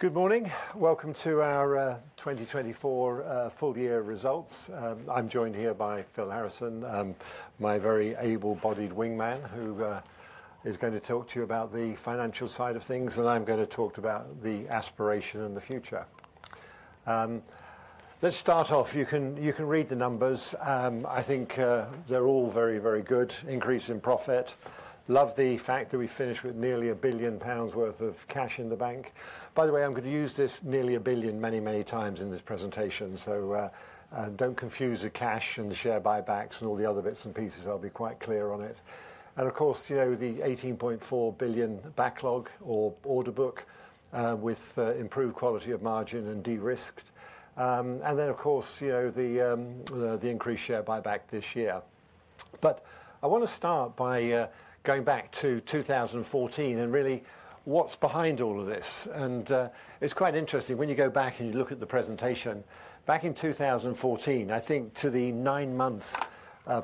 Good morning. Welcome to our 2024 full year results. I'm joined here by Phil Harrison, my very able-bodied wingman, who is going to talk to you about the financial side of things, and I'm going to talk about the aspiration and the future. Let's start off. You can read the numbers. I think they're all very, very good. Increase in profit. Love the fact that we finished with nearly 1 billion pounds worth of cash in the bank. By the way, I'm going to use this nearly 1 billion many, many times in this presentation, so don't confuse the cash and the share buybacks and all the other bits and pieces. I'll be quite clear on it. Of course, you know the 18.4 billion backlog or order book with improved quality of margin and de-risked. Of course, you know the increased share buyback this year. I want to start by going back to 2014 and really what's behind all of this. It's quite interesting when you go back and you look at the presentation. Back in 2014, I think to the nine-month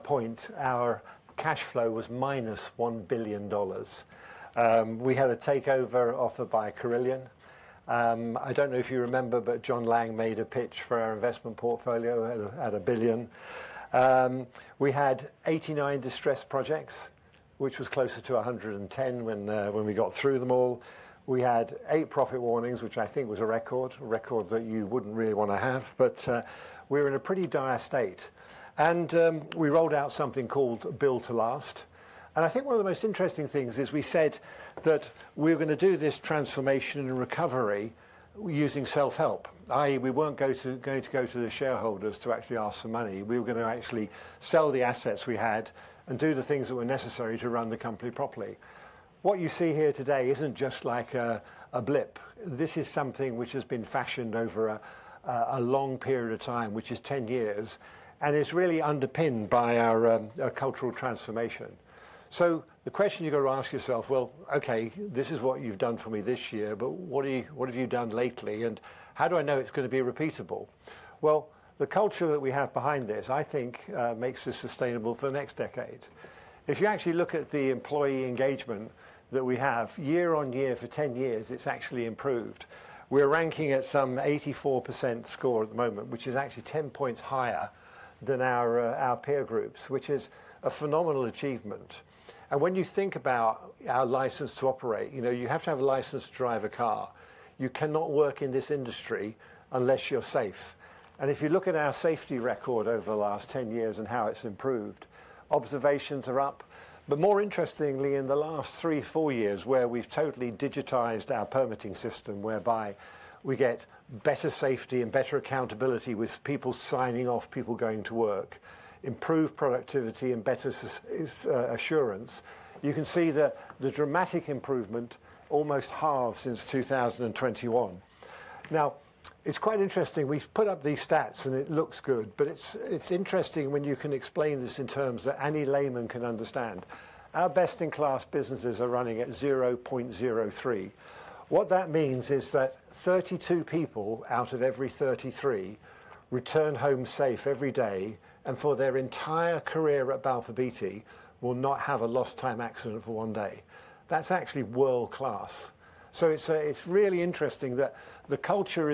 point, our cash flow was -$1 billion. We had a takeover offer by Carillion. I don't know if you remember, but John Lang made a pitch for our investment portfolio at 1 billion. We had 89 distressed projects, which was closer to 110 when we got through them all. We had eight profit warnings, which I think was a record, a record that you wouldn't really want to have. We were in a pretty dire state. We rolled out something called Build to Last. I think one of the most interesting things is we said that we were going to do this transformation and recovery using self-help, i.e., we were not going to go to the shareholders to actually ask for money. We were going to actually sell the assets we had and do the things that were necessary to run the company properly. What you see here today is not just like a blip. This is something which has been fashioned over a long period of time, which is 10 years, and it is really underpinned by our cultural transformation. The question you have to ask yourself is, okay, this is what you have done for me this year, but what have you done lately? How do I know it is going to be repeatable? The culture that we have behind this, I think, makes this sustainable for the next decade. If you actually look at the employee engagement that we have year on year for 10 years, it's actually improved. We're ranking at some 84% score at the moment, which is actually 10 points higher than our peer groups, which is a phenomenal achievement. When you think about our license to operate, you have to have a license to drive a car. You cannot work in this industry unless you're safe. If you look at our safety record over the last 10 years and how it's improved, observations are up. More interestingly, in the last three, four years, where we've totally digitized our permitting system, whereby we get better safety and better accountability with people signing off, people going to work, improved productivity and better assurance, you can see that the dramatic improvement almost halves since 2021. Now, it's quite interesting. We've put up these stats and it looks good, but it's interesting when you can explain this in terms that any layman can understand. Our best-in-class businesses are running at 0.03. What that means is that 32 people out of every 33 return home safe every day, and for their entire career at Balfour Beatty, will not have a lost time accident for one day. That's actually world class. It's really interesting that the culture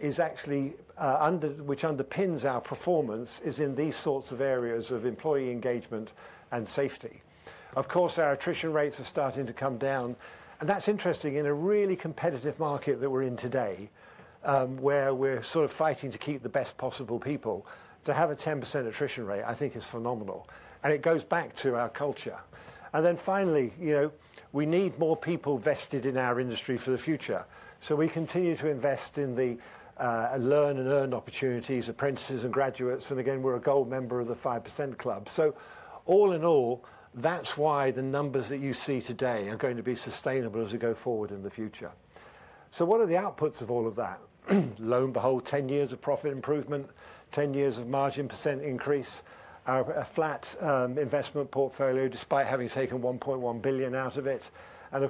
which underpins our performance is in these sorts of areas of employee engagement and safety. Of course, our attrition rates are starting to come down. That's interesting in a really competitive market that we're in today, where we're sort of fighting to keep the best possible people. To have a 10% attrition rate, I think, is phenomenal. It goes back to our culture. Finally, we need more people vested in our industry for the future. We continue to invest in the learn and earn opportunities, apprentices and graduates. We are a gold member of the 5% club. All in all, that is why the numbers that you see today are going to be sustainable as we go forward in the future. What are the outputs of all of that? Lo and behold, 10 years of profit improvement, 10 years of margin percent increase, a flat investment portfolio despite having taken 1.1 billion out of it. Our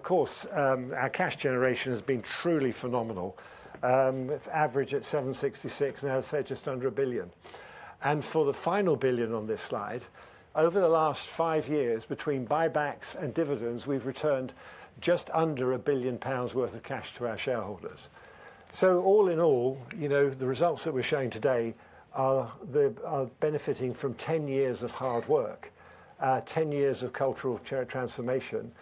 cash generation has been truly phenomenal. Average at 766 million, now it is just under 1 billion. For the final billion on this slide, over the last five years, between buybacks and dividends, we have returned just under 1 billion pounds worth of cash to our shareholders. All in all, the results that we're showing today are benefiting from 10 years of hard work, 10 years of cultural transformation,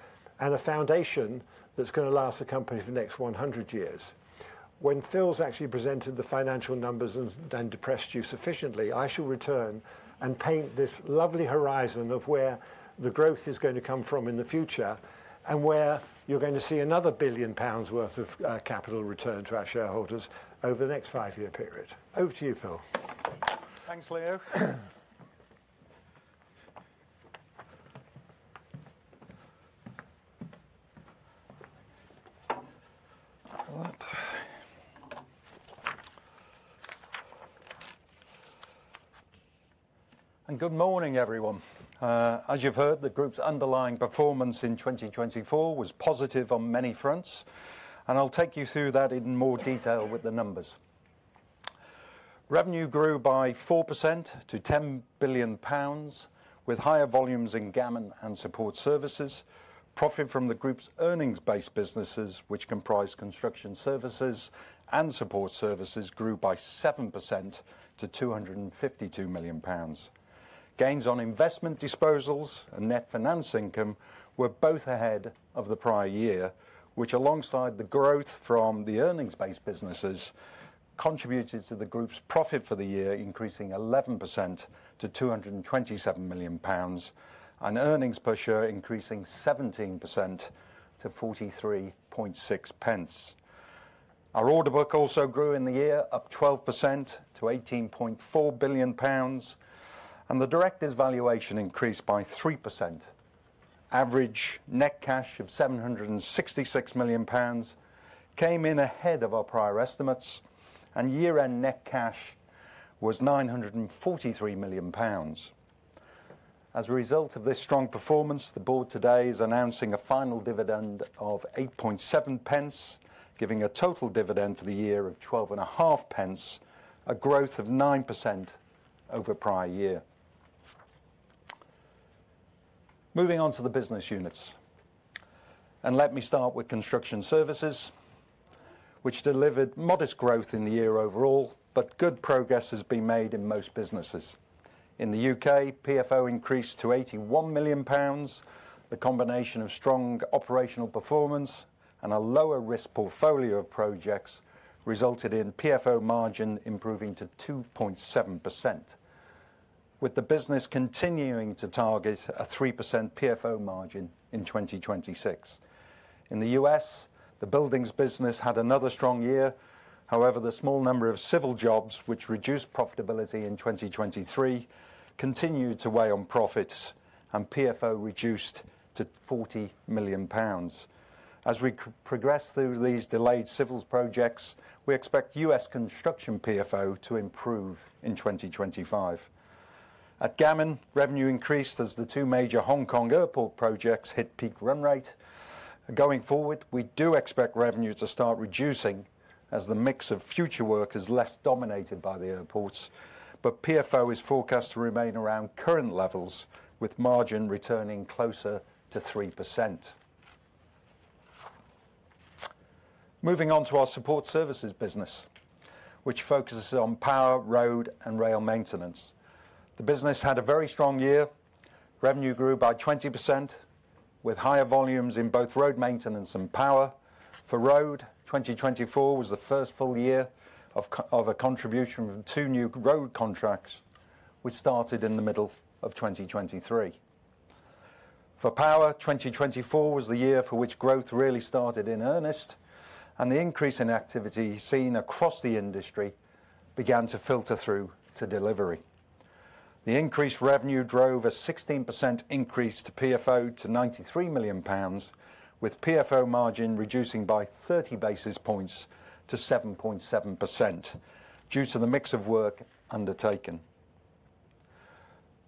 and a foundation that's going to last the company for the next 100 years. When Phil's actually presented the financial numbers and depressed you sufficiently, I shall return and paint this lovely horizon of where the growth is going to come from in the future and where you're going to see another 1 billion pounds worth of capital return to our shareholders over the next five-year period. Over to you, Phil. Thanks, Leo. Good morning, everyone. As you've heard, the group's underlying performance in 2024 was positive on many fronts. I'll take you through that in more detail with the numbers. Revenue grew by 4% to 10 billion pounds, with higher volumes in Gammon and Support Services. Profit from the group's earnings-based businesses, which comprise construction services and support services, grew by 7% to 252 million pounds. Gains on investment disposals and net finance income were both ahead of the prior year, which, alongside the growth from the earnings-based businesses, contributed to the group's profit for the year, increasing 11% to 227 million pounds, and earnings per share increasing 17% to 0.436. Our order book also grew in the year, up 12% to 18.4 billion pounds. The director's valuation increased by 3%. Average net cash of 766 million pounds came in ahead of our prior estimates, and year-end net cash was 943 million pounds. As a result of this strong performance, the board today is announcing a final dividend of 0.087, giving a total dividend for the year of 0.125, a growth of 9% over prior year. Moving on to the business units. Let me start with construction services, which delivered modest growth in the year overall, but good progress has been made in most businesses. In the U.K., PFO increased to 81 million pounds. The combination of strong operational performance and a lower-risk portfolio of projects resulted in PFO margin improving to 2.7%, with the business continuing to target a 3% PFO margin in 2026. In the U.S., the buildings business had another strong year. However, the small number of civil jobs, which reduced profitability in 2023, continued to weigh on profits, and PFO reduced to 40 million pounds. As we progress through these delayed civil projects, we expect U.S. construction PFO to improve in 2025. At Gammon, revenue increased as the two major Hong Kong airport projects hit peak run rate. Going forward, we do expect revenue to start reducing as the mix of future work is less dominated by the airports. PFO is forecast to remain around current levels, with margin returning closer to 3%. Moving on to our support services business, which focuses on power, road, and rail maintenance. The business had a very strong year. Revenue grew by 20%, with higher volumes in both road maintenance and power. For road, 2024 was the first full year of a contribution from two new road contracts, which started in the middle of 2023. For power, 2024 was the year for which growth really started in earnest. The increase in activity seen across the industry began to filter through to delivery. The increased revenue drove a 16% increase to PFO to 93 million pounds, with PFO margin reducing by 30 basis points to 7.7% due to the mix of work undertaken.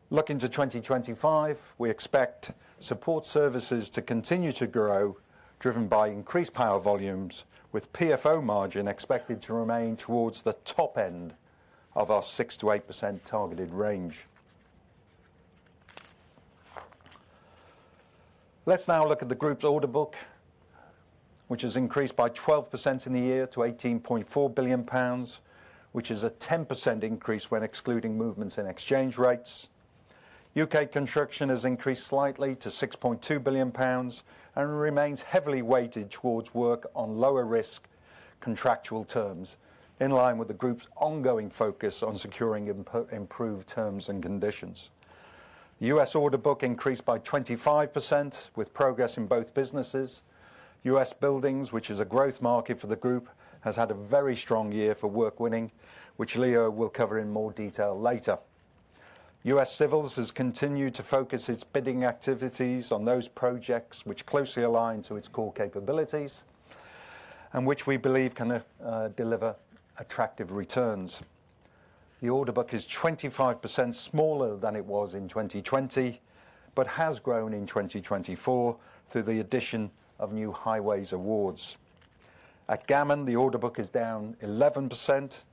Looking to 2025, we expect support services to continue to grow, driven by increased power volumes, with PFO margin expected to remain towards the top end of our 6%-8% targeted range. Let's now look at the group's order book, which has increased by 12% in the year to 18.4 billion pounds, which is a 10% increase when excluding movements in exchange rates. U.K. construction has increased slightly to 6.2 billion pounds and remains heavily weighted towards work on lower-risk contractual terms, in line with the group's ongoing focus on securing improved terms and conditions. The U.S. order book increased by 25%, with progress in both businesses. U.S. buildings, which is a growth market for the group, has had a very strong year for work winning, which Leo will cover in more detail later. US civils has continued to focus its bidding activities on those projects which closely align to its core capabilities and which we believe can deliver attractive returns. The order book is 25% smaller than it was in 2020, but has grown in 2024 through the addition of new highways awards. At Gammon, the order book is down 11%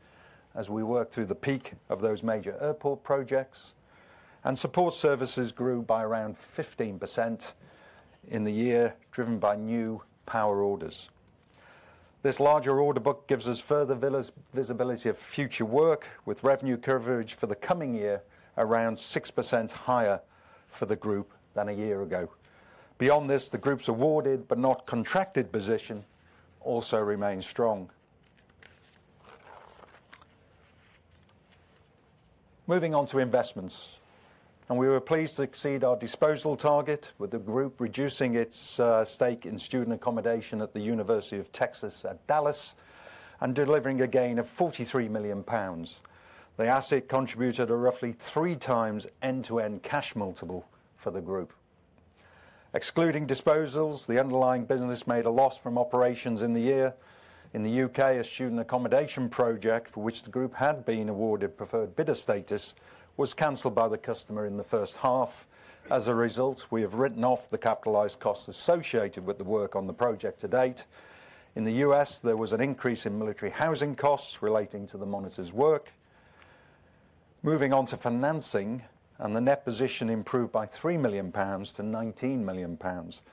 as we work through the peak of those major airport projects. Support services grew by around 15% in the year, driven by new power orders. This larger order book gives us further visibility of future work, with revenue coverage for the coming year around 6% higher for the group than a year ago. Beyond this, the group's awarded but not contracted position also remains strong. Moving on to investments. We were pleased to exceed our disposal target, with the group reducing its stake in student accommodation at the University of Texas at Dallas and delivering a gain of 43 million pounds. The asset contributed to roughly three times end-to-end cash multiple for the group. Excluding disposals, the underlying business made a loss from operations in the year. In the U.K., a student accommodation project for which the group had been awarded preferred bidder status was canceled by the customer in the first half. As a result, we have written off the capitalized costs associated with the work on the project to date. In the U.S., there was an increase in military housing costs relating to the monitor's work. Moving on to financing, the net position improved by 3 million pounds to 19 million pounds.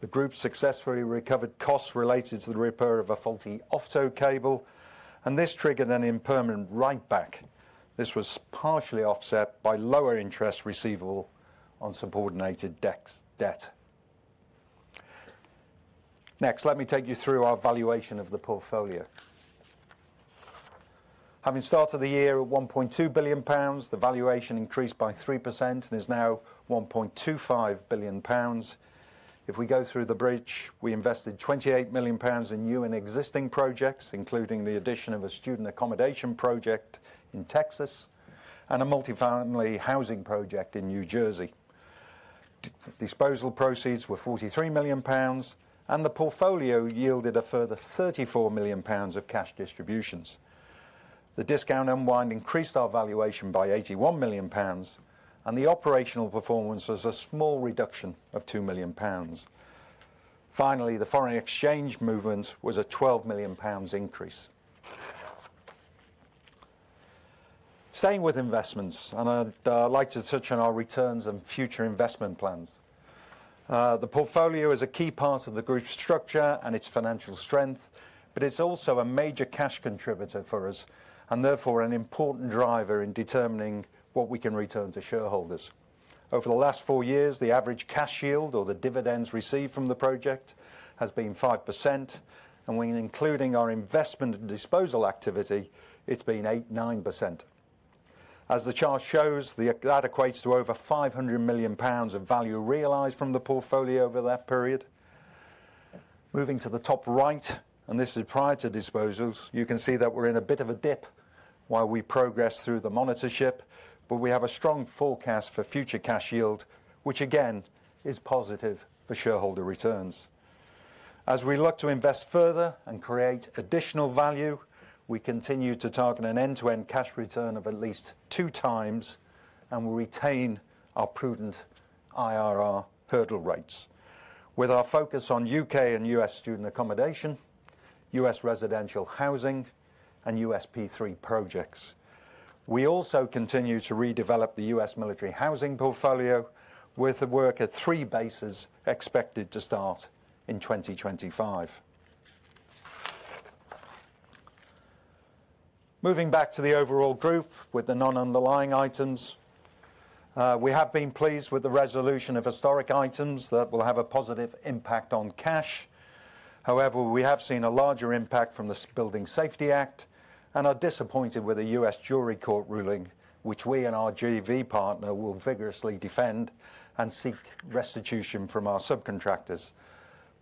The group successfully recovered costs related to the repair of a faulty OFTO cable, and this triggered an impermanent right back. This was partially offset by lower interest receivable on subordinated debt. Next, let me take you through our valuation of the portfolio. Having started the year at GBP 1.2 billion, the valuation increased by 3% and is now GBP 1.25 billion. If we go through the bridge, we invested GBP 28 million in new and existing projects, including the addition of a student accommodation project in Texas and a multifamily housing project in New Jersey. Disposal proceeds were 43 million pounds, and the portfolio yielded a further 34 million pounds of cash distributions. The discount unwind increased our valuation by 81 million pounds, and the operational performance was a small reduction of 2 million pounds. Finally, the foreign exchange movement was a 12 million pounds increase. Staying with investments, I'd like to touch on our returns and future investment plans. The portfolio is a key part of the group's structure and its financial strength, but it's also a major cash contributor for us, and therefore an important driver in determining what we can return to shareholders. Over the last four years, the average cash yield, or the dividends received from the project, has been 5%. When including our investment and disposal activity, it's been 8%-9%. As the chart shows, that equates to over 500 million pounds of value realized from the portfolio over that period. Moving to the top right, and this is prior to disposals, you can see that we're in a bit of a dip while we progress through the monitorship, but we have a strong forecast for future cash yield, which again is positive for shareholder returns. As we look to invest further and create additional value, we continue to target an end-to-end cash return of at least two times, and we retain our prudent IRR hurdle rates, with our focus on U.K. and U.S. student accommodation, U.S. residential housing, and U.S. P3 projects. We also continue to redevelop the U.S. military housing portfolio, with the work at three bases expected to start in 2025. Moving back to the overall group, with the non-underlying items, we have been pleased with the resolution of historic items that will have a positive impact on cash. However, we have seen a larger impact from the Building Safety Act and are disappointed with the U.S. Jury Court ruling, which we and our JV partner will vigorously defend and seek restitution from our subcontractors.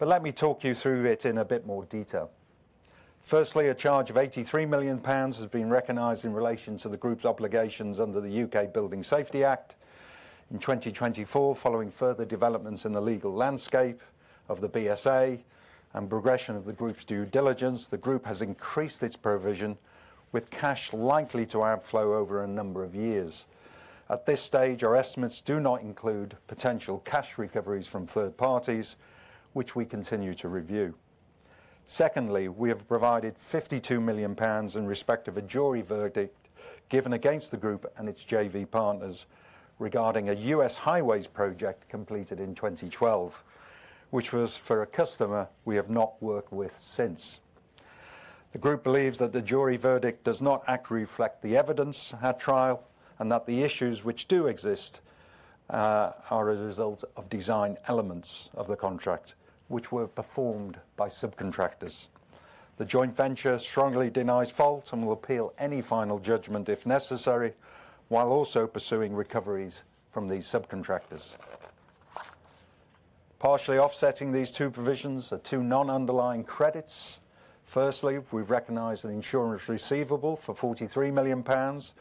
Let me talk you through it in a bit more detail. Firstly, a charge of 83 million pounds has been recognized in relation to the group's obligations under the U.K. Building Safety Act. In 2024, following further developments in the legal landscape of the BSA and progression of the group's due diligence, the group has increased its provision, with cash likely to outflow over a number of years. At this stage, our estimates do not include potential cash recoveries from third parties, which we continue to review. Secondly, we have provided 52 million pounds in respect of a jury verdict given against the group and its JV partners regarding a U.S. highways project completed in 2012, which was for a customer we have not worked with since. The group believes that the jury verdict does not accurately reflect the evidence at trial and that the issues which do exist are a result of design elements of the contract, which were performed by subcontractors. The joint venture strongly denies fault and will appeal any final judgment if necessary, while also pursuing recoveries from these subcontractors. Partially offsetting these two provisions are two non-underlying credits. Firstly, we've recognized an insurance receivable for 43 million pounds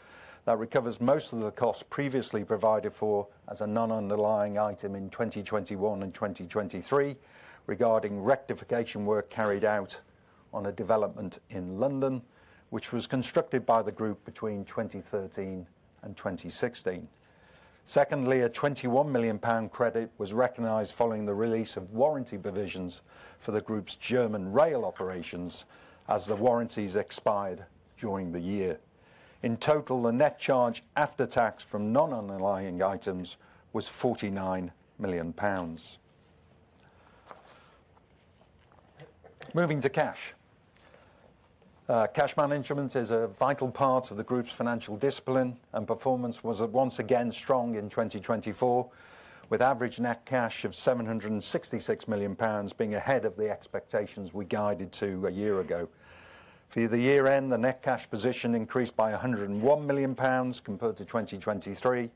that recovers most of the costs previously provided for as a non-underlying item in 2021 and 2023 regarding rectification work carried out on a development in London, which was constructed by the group between 2013 and 2016. Secondly, a 21 million pound credit was recognized following the release of warranty provisions for the group's German rail operations as the warranties expired during the year. In total, the net charge after tax from non-underlying items was GBP 49 million. Moving to cash. Cash management is a vital part of the group's financial discipline, and performance was once again strong in 2024, with average net cash of 766 million pounds being ahead of the expectations we guided to a year ago. For the year-end, the net cash position increased by 101 million pounds compared to 2023.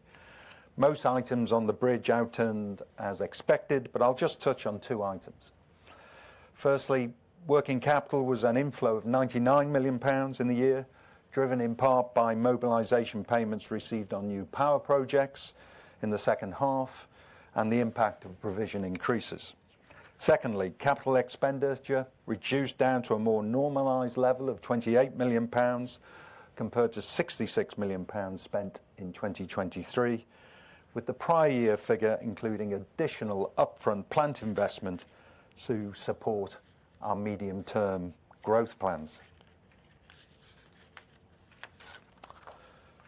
Most items on the bridge outturned as expected, but I'll just touch on two items. Firstly, working capital was an inflow of 99 million pounds in the year, driven in part by mobilization payments received on new power projects in the second half and the impact of provision increases. Secondly, capital expenditure reduced down to a more normalized level of 28 million pounds compared to 66 million pounds spent in 2023, with the prior year figure including additional upfront plant investment to support our medium-term growth plans.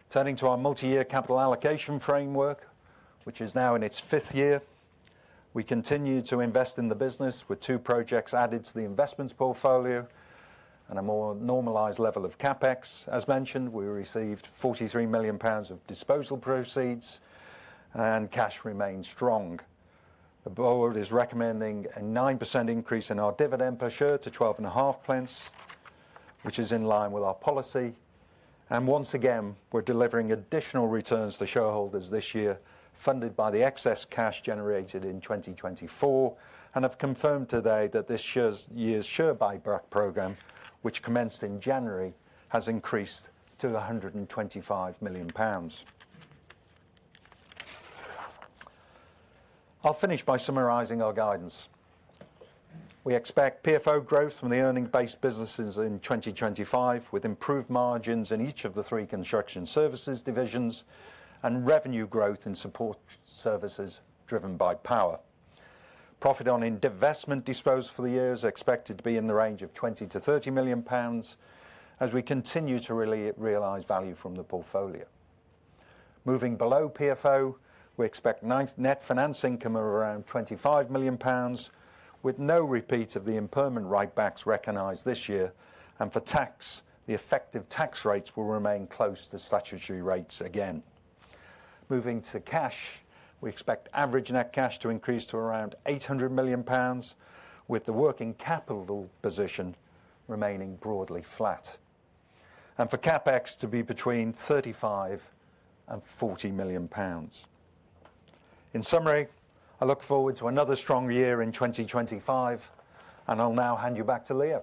Turning to our multi-year capital allocation framework, which is now in its fifth year, we continue to invest in the business with two projects added to the investments portfolio and a more normalized level of CapEx. As mentioned, we received 43 million pounds of disposal proceeds, and cash remains strong. The board is recommending a 9% increase in our dividend per share to 12.5%, which is in line with our policy. We are once again delivering additional returns to shareholders this year, funded by the excess cash generated in 2024, and have confirmed today that this year's share buyback program, which commenced in January, has increased to 125 million pounds. I will finish by summarizing our guidance. We expect PFO growth from the earning-based businesses in 2025, with improved margins in each of the three construction services divisions and revenue growth in support services driven by power. Profit on investment disposal for the year is expected to be in the range of 20 million-30 million pounds as we continue to realize value from the portfolio. Moving below PFO, we expect net finance income of around 25 million pounds, with no repeat of the impermanent right backs recognized this year. For tax, the effective tax rates will remain close to statutory rates again. Moving to cash, we expect average net cash to increase to around 800 million pounds, with the working capital position remaining broadly flat, and for CapEx to be between 35 million-40 million pounds. In summary, I look forward to another strong year in 2025, and I'll now hand you back to Leo.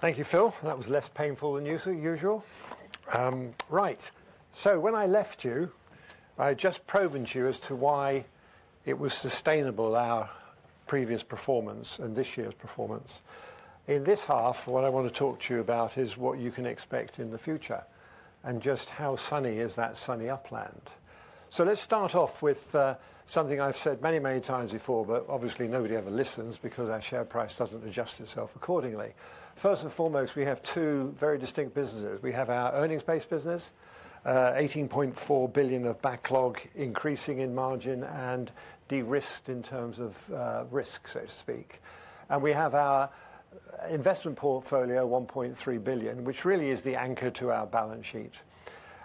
Thank you, Phil. That was less painful than usual. Right. When I left you, I had just proven to you as to why it was sustainable, our previous performance and this year's performance. In this half, what I want to talk to you about is what you can expect in the future and just how sunny is that sunny upland. Let's start off with something I've said many, many times before, but obviously nobody ever listens because our share price doesn't adjust itself accordingly. First and foremost, we have two very distinct businesses. We have our earnings-based business, 18.4 billion of backlog increasing in margin and de-risked in terms of risk, so to speak. We have our investment portfolio, 1.3 billion, which really is the anchor to our balance sheet.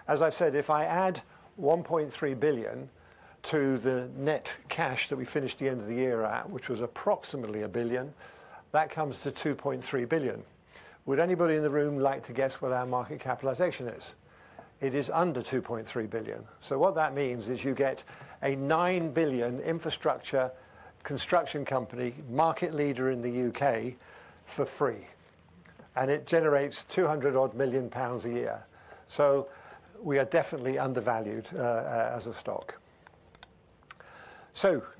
As I've said, if I add 1.3 billion to the net cash that we finished the end of the year at, which was approximately 1 billion, that comes to 2.3 billion. Would anybody in the room like to guess what our market capitalization is? It is under 2.3 billion. What that means is you get a 9 billion infrastructure construction company market leader in the U.K. for free, and it generates 200 million pounds a year. We are definitely undervalued as a stock.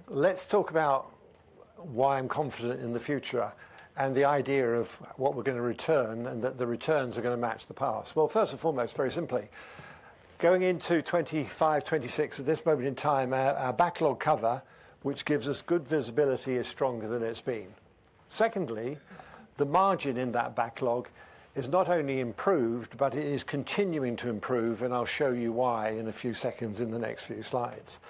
Let's talk about why I'm confident in the future and the idea of what we're going to return and that the returns are going to match the past. First and foremost, very simply, going into 2025, 2026 at this moment in time, our backlog cover, which gives us good visibility, is stronger than it's been. Secondly, the margin in that backlog is not only improved, but it is continuing to improve, and I'll show you why in a few seconds in the next few slides.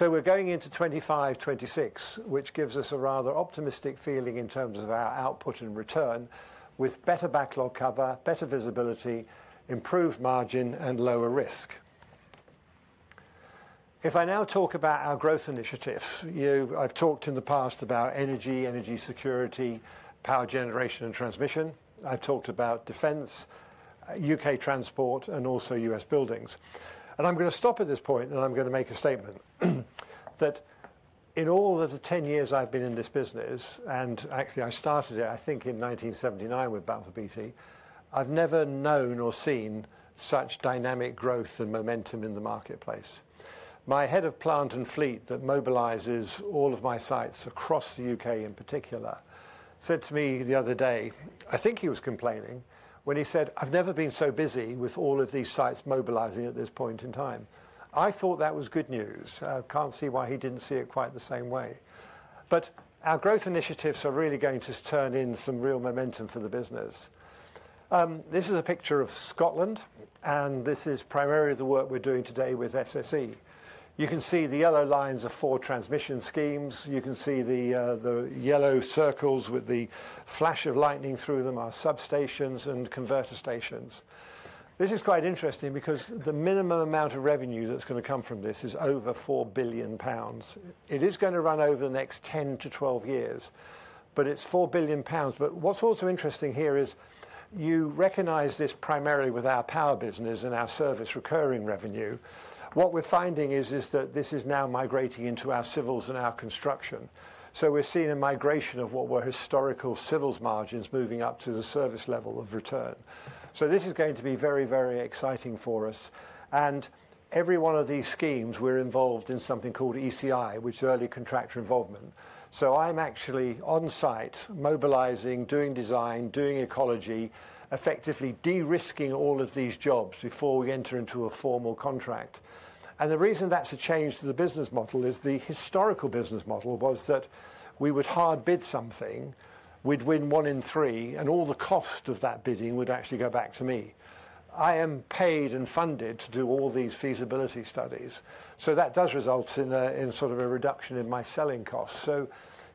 We are going into 2025, 2026, which gives us a rather optimistic feeling in terms of our output and return with better backlog cover, better visibility, improved margin, and lower risk. If I now talk about our growth initiatives, I've talked in the past about energy, energy security, power generation, and transmission. I've talked about defense, U.K. transport, and also U.S. buildings. I'm going to stop at this point, and I'm going to make a statement that in all of the 10 years I've been in this business, and actually I started it, I think, in 1979 with Balfour Beatty, I've never known or seen such dynamic growth and momentum in the marketplace. My head of plant and fleet that mobilizes all of my sites across the U.K. in particular said to me the other day, I think he was complaining when he said, "I've never been so busy with all of these sites mobilizing at this point in time." I thought that was good news. I can't see why he didn't see it quite the same way. Our growth initiatives are really going to turn in some real momentum for the business. This is a picture of Scotland, and this is primarily the work we're doing today with SSE. You can see the yellow lines are four transmission schemes. You can see the yellow circles with the flash of lightning through them are substations and converter stations. This is quite interesting because the minimum amount of revenue that's going to come from this is over 4 billion pounds. It is going to run over the next 10-12 years, but it's 4 billion pounds. What's also interesting here is you recognize this primarily with our power business and our service recurring revenue. What we're finding is that this is now migrating into our civils and our construction. We are seeing a migration of what were historical civils margins moving up to the service level of return. This is going to be very, very exciting for us. Every one of these schemes, we're involved in something called ECI, which is early contractor involvement. I'm actually on site mobilizing, doing design, doing ecology, effectively de-risking all of these jobs before we enter into a formal contract. The reason that's a change to the business model is the historical business model was that we would hard bid something, we'd win one in three, and all the cost of that bidding would actually go back to me. I am paid and funded to do all these feasibility studies. That does result in sort of a reduction in my selling costs.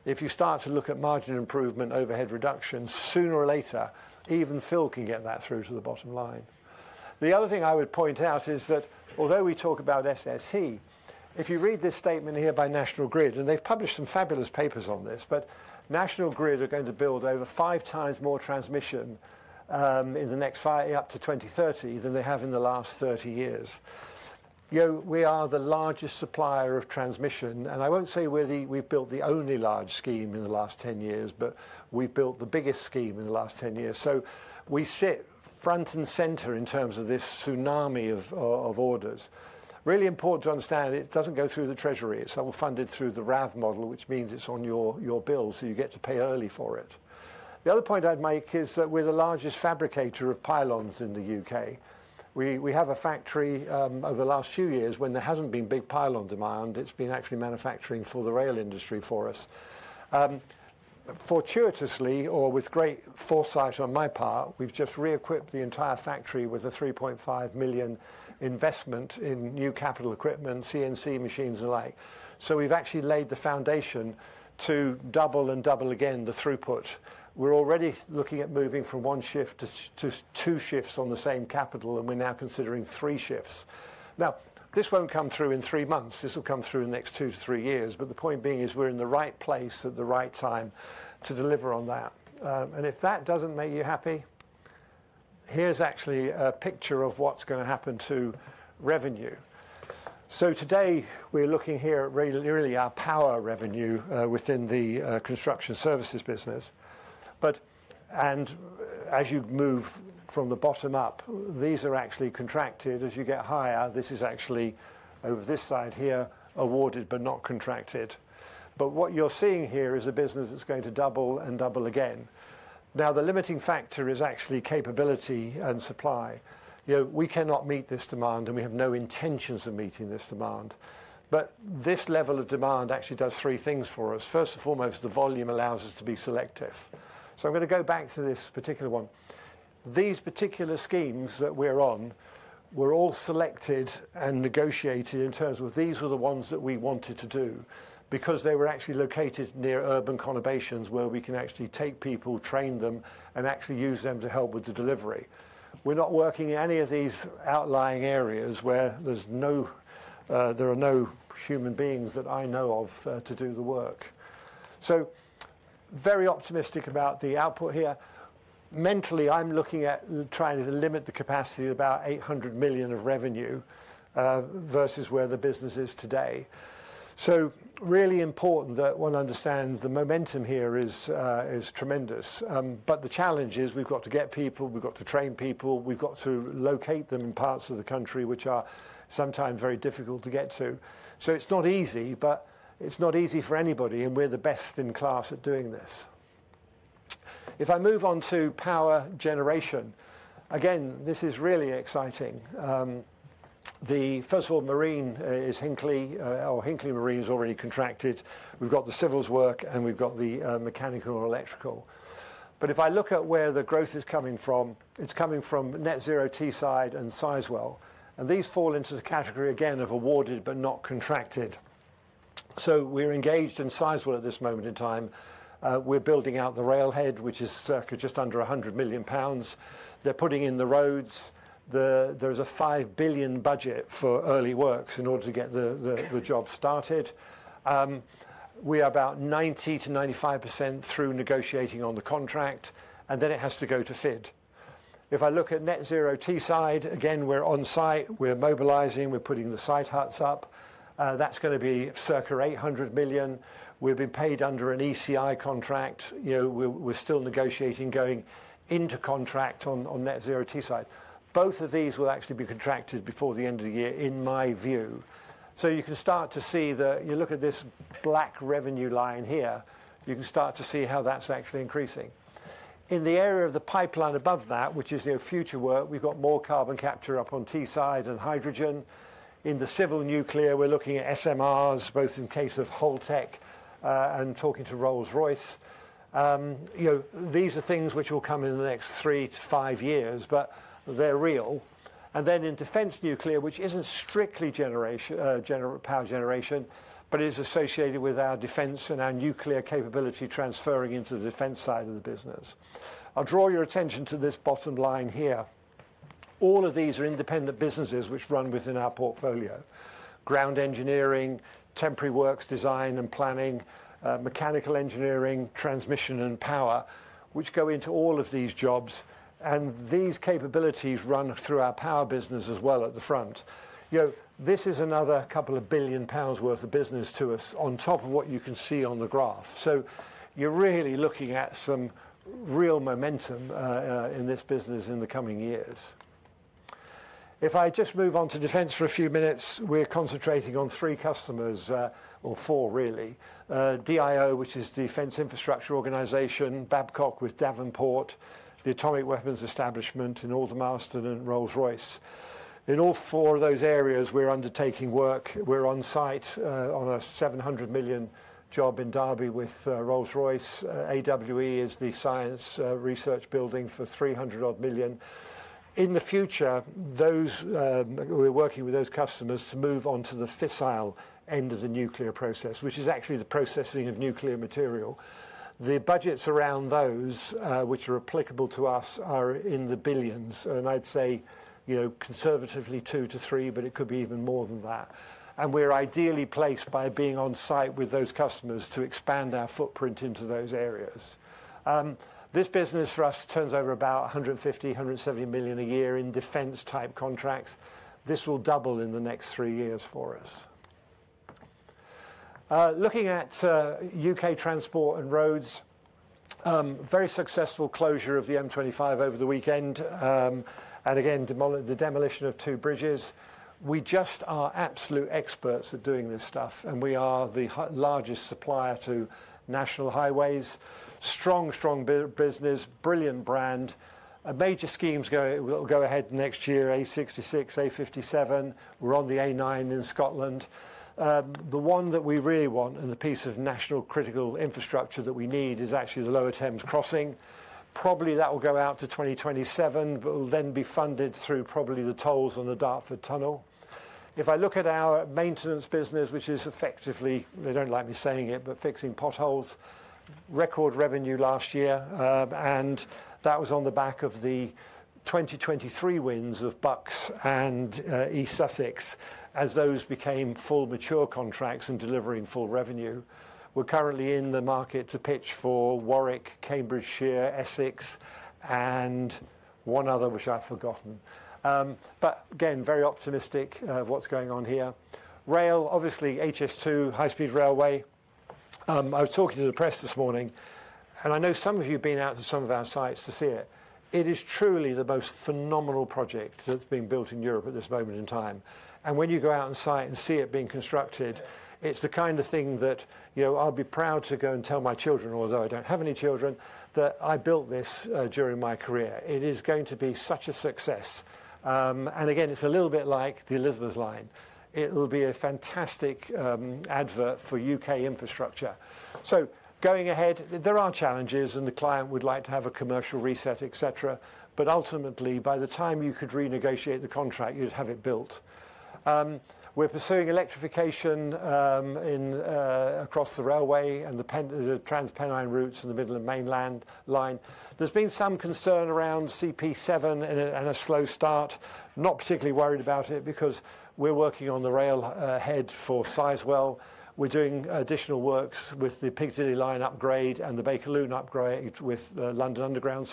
If you start to look at margin improvement, overhead reduction, sooner or later, even Phil can get that through to the bottom line. The other thing I would point out is that although we talk about SSE, if you read this statement here by National Grid, and they've published some fabulous papers on this, National Grid are going to build over five times more transmission in the next up to 2030 than they have in the last 30 years. We are the largest supplier of transmission, and I won't say we've built the only large scheme in the last 10 years, but we've built the biggest scheme in the last 10 years. We sit front and center in terms of this tsunami of orders. Really important to understand, it doesn't go through the treasury. It's all funded through the RAV model, which means it's on your bill, so you get to pay early for it. The other point I'd make is that we're the largest fabricator of pylons in the U.K. We have a factory over the last few years when there hasn't been big pylon demand. It's been actually manufacturing for the rail industry for us. Fortuitously, or with great foresight on my part, we've just re-equipped the entire factory with a 3.5 million investment in new capital equipment, CNC machines and the like. We have actually laid the foundation to double and double again the throughput. We are already looking at moving from one shift to two shifts on the same capital, and we are now considering three shifts. This will not come through in three months. This will come through in the next two to three years. The point being is we are in the right place at the right time to deliver on that. If that does not make you happy, here is actually a picture of what is going to happen to revenue. Today we are looking here at really our power revenue within the construction services business. As you move from the bottom up, these are actually contracted. As you get higher, this is actually over this side here, awarded but not contracted. What you are seeing here is a business that is going to double and double again. Now, the limiting factor is actually capability and supply. We cannot meet this demand, and we have no intentions of meeting this demand. This level of demand actually does three things for us. First and foremost, the volume allows us to be selective. I am going to go back to this particular one. These particular schemes that we are on were all selected and negotiated in terms of these were the ones that we wanted to do because they were actually located near urban conurbations where we can actually take people, train them, and actually use them to help with the delivery. We are not working in any of these outlying areas where there are no human beings that I know of to do the work. Very optimistic about the output here. Mentally, I'm looking at trying to limit the capacity of about 800 million of revenue versus where the business is today. It is really important that one understands the momentum here is tremendous. The challenge is we've got to get people, we've got to train people, we've got to locate them in parts of the country which are sometimes very difficult to get to. It is not easy, but it is not easy for anybody, and we're the best in class at doing this. If I move on to power generation, again, this is really exciting. First of all, marine is Hinkley, or Hinkley Marine is already contracted. We've got the civils work, and we've got the mechanical and electrical. If I look at where the growth is coming from, it is coming from Net Zero Teesside and Sizewell. These fall into the category, again, of awarded but not contracted. We're engaged in Sizewell at this moment in time. We're building out the railhead, which is circa just under 100 million pounds. They're putting in the roads. There is a 5 billion budget for early works in order to get the job started. We are about 90%-95% through negotiating on the contract, and then it has to go to FID. If I look at Net Zero Teesside, again, we're on site, we're mobilizing, we're putting the site huts up. That's going to be circa 800 million. We've been paid under an ECI contract. We're still negotiating going into contract on Net Zero Teesside. Both of these will actually be contracted before the end of the year, in my view. You can start to see that you look at this black revenue line here, you can start to see how that's actually increasing. In the area of the pipeline above that, which is future work, we've got more carbon capture up on Teesside and hydrogen. In the civil nuclear, we're looking at SMRs, both in case of Holtec and talking to Rolls-Royce. These are things which will come in the next three to five years, but they're real. In defense nuclear, which isn't strictly power generation, but is associated with our defense and our nuclear capability transferring into the defense side of the business. I'll draw your attention to this bottom line here. All of these are independent businesses which run within our portfolio: ground engineering, temporary works design and planning, mechanical engineering, transmission, and power, which go into all of these jobs. These capabilities run through our power business as well at the front. This is another couple of billion pounds worth of business to us on top of what you can see on the graph. You are really looking at some real momentum in this business in the coming years. If I just move on to defense for a few minutes, we are concentrating on three customers, or four really: DIO, which is the Defence Infrastructure Organisation; Babcock with Devonport; the Atomic Weapons Establishment; and Aldermaston and Rolls-Royce. In all four of those areas, we are undertaking work. We are on site on a 700 million job in Derby with Rolls-Royce. AWE is the science research building for 300 million. In the future, we are working with those customers to move on to the fissile end of the nuclear process, which is actually the processing of nuclear material. The budgets around those, which are applicable to us, are in the billions. I'd say conservatively two to three, but it could be even more than that. We're ideally placed by being on site with those customers to expand our footprint into those areas. This business for us turns over about 150 million-170 million a year in defense-type contracts. This will double in the next three years for us. Looking at U.K. transport and roads, very successful closure of the M25 over the weekend, and again, the demolition of two bridges. We just are absolute experts at doing this stuff, and we are the largest supplier to National Highways. Strong, strong business, brilliant brand. Major schemes will go ahead next year: A66, A57. We're on the A9 in Scotland. The one that we really want and the piece of national critical infrastructure that we need is actually the Lower Thames Crossing. Probably that will go out to 2027, but will then be funded through probably the tolls on the Dartford Tunnel. If I look at our maintenance business, which is effectively, they don't like me saying it, but fixing potholes, record revenue last year, and that was on the back of the 2023 wins of Bucks and East Sussex as those became full mature contracts and delivering full revenue. We're currently in the market to pitch for Warwick, Cambridgeshire, Essex, and one other, which I've forgotten. Again, very optimistic of what's going on here. Rail, obviously HS2, high-speed railway. I was talking to the press this morning, and I know some of you have been out to some of our sites to see it. It is truly the most phenomenal project that's being built in Europe at this moment in time. When you go out on site and see it being constructed, it's the kind of thing that I'll be proud to go and tell my children, although I don't have any children, that I built this during my career. It is going to be such a success. It's a little bit like the Elizabeth Line. It will be a fantastic advert for U.K. infrastructure. Going ahead, there are challenges, and the client would like to have a commercial reset, etc. Ultimately, by the time you could renegotiate the contract, you'd have it built. We're pursuing electrification across the railway and the TransPennine routes in the middle of Mainland Line. There's been some concern around CP7 and a slow start. Not particularly worried about it because we're working on the railhead for Sizewell. We're doing additional works with the Piccadilly Line upgrade and the Bakerloo Line upgrade with London Underground.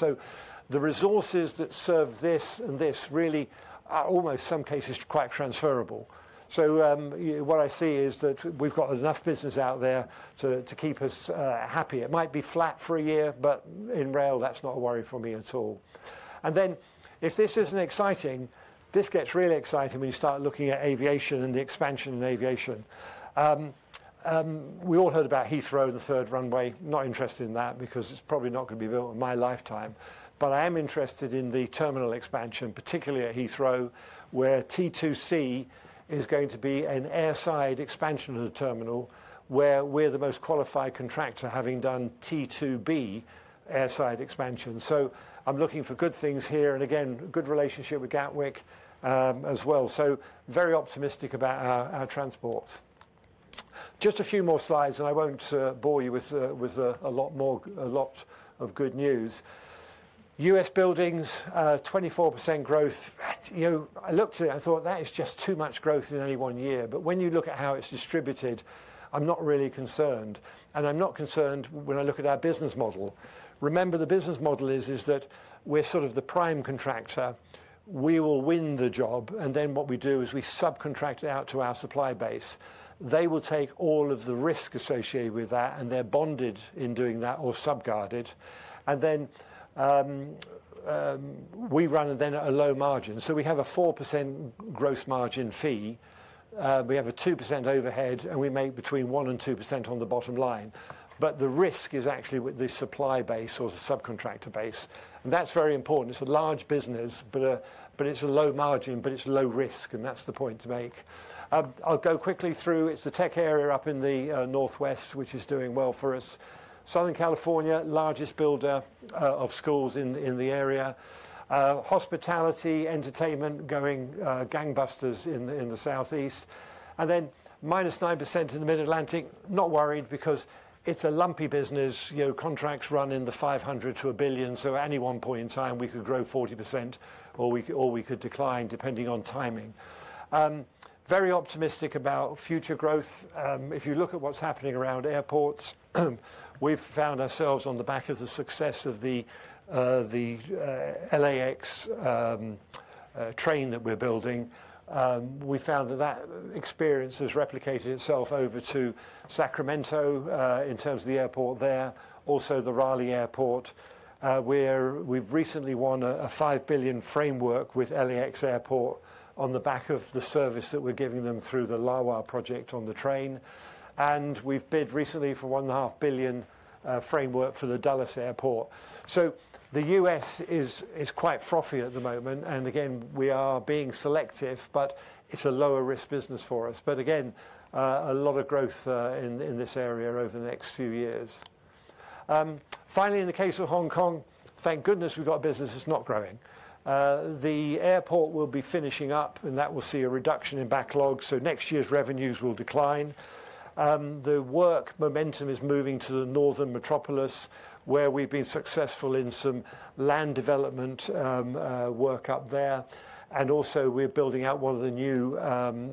The resources that serve this and this really are almost in some cases quite transferable. What I see is that we've got enough business out there to keep us happy. It might be flat for a year, but in rail, that's not a worry for me at all. If this isn't exciting, this gets really exciting when you start looking at aviation and the expansion in aviation. We all heard about Heathrow and the third runway. Not interested in that because it's probably not going to be built in my lifetime. I am interested in the terminal expansion, particularly at Heathrow, where T2C is going to be an airside expansion of the terminal where we're the most qualified contractor, having done T2B airside expansion. I'm looking for good things here. Again, good relationship with Gatwick as well. Very optimistic about our transports. Just a few more slides, and I won't bore you with a lot of good news. U.S. buildings, 24% growth. I looked at it and thought, that is just too much growth in any one year. When you look at how it's distributed, I'm not really concerned. I'm not concerned when I look at our business model. Remember, the business model is that we're sort of the prime contractor. We will win the job. What we do is we subcontract it out to our supply base. They will take all of the risk associated with that, and they're bonded in doing that or sub-guarded. We run then at a low margin. We have a 4% gross margin fee. We have a 2% overhead, and we make between 1% and 2% on the bottom line. The risk is actually with the supply base or the subcontractor base. That is very important. It is a large business, but it is a low margin, but it is low risk. That is the point to make. I'll go quickly through. It is the tech area up in the northwest, which is doing well for us. Southern California, largest builder of schools in the area. Hospitality, entertainment, going gangbusters in the southeast. -9% in the Mid-Atlantic. Not worried because it is a lumpy business. Contracts run in the 500 million to 1 billion. At any one point in time, we could grow 40% or we could decline depending on timing. Very optimistic about future growth. If you look at what's happening around airports, we've found ourselves on the back of the success of the LAX train that we're building. We found that that experience has replicated itself over to Sacramento in terms of the airport there, also the Raleigh Airport. We've recently won a 5 billion framework with LAX Airport on the back of the service that we're giving them through the LAWA project on the train. We've bid recently for a 1.5 billion framework for the Dulles Airport. The U.S. is quite frothy at the moment. We are being selective, but it's a lower risk business for us. A lot of growth in this area over the next few years. Finally, in the case of Hong Kong, thank goodness we've got business that's not growing. The airport will be finishing up, and that will see a reduction in backlog. Next year's revenues will decline. The work momentum is moving to the Northern Metropolis where we've been successful in some land development work up there. Also, we're building out one of the new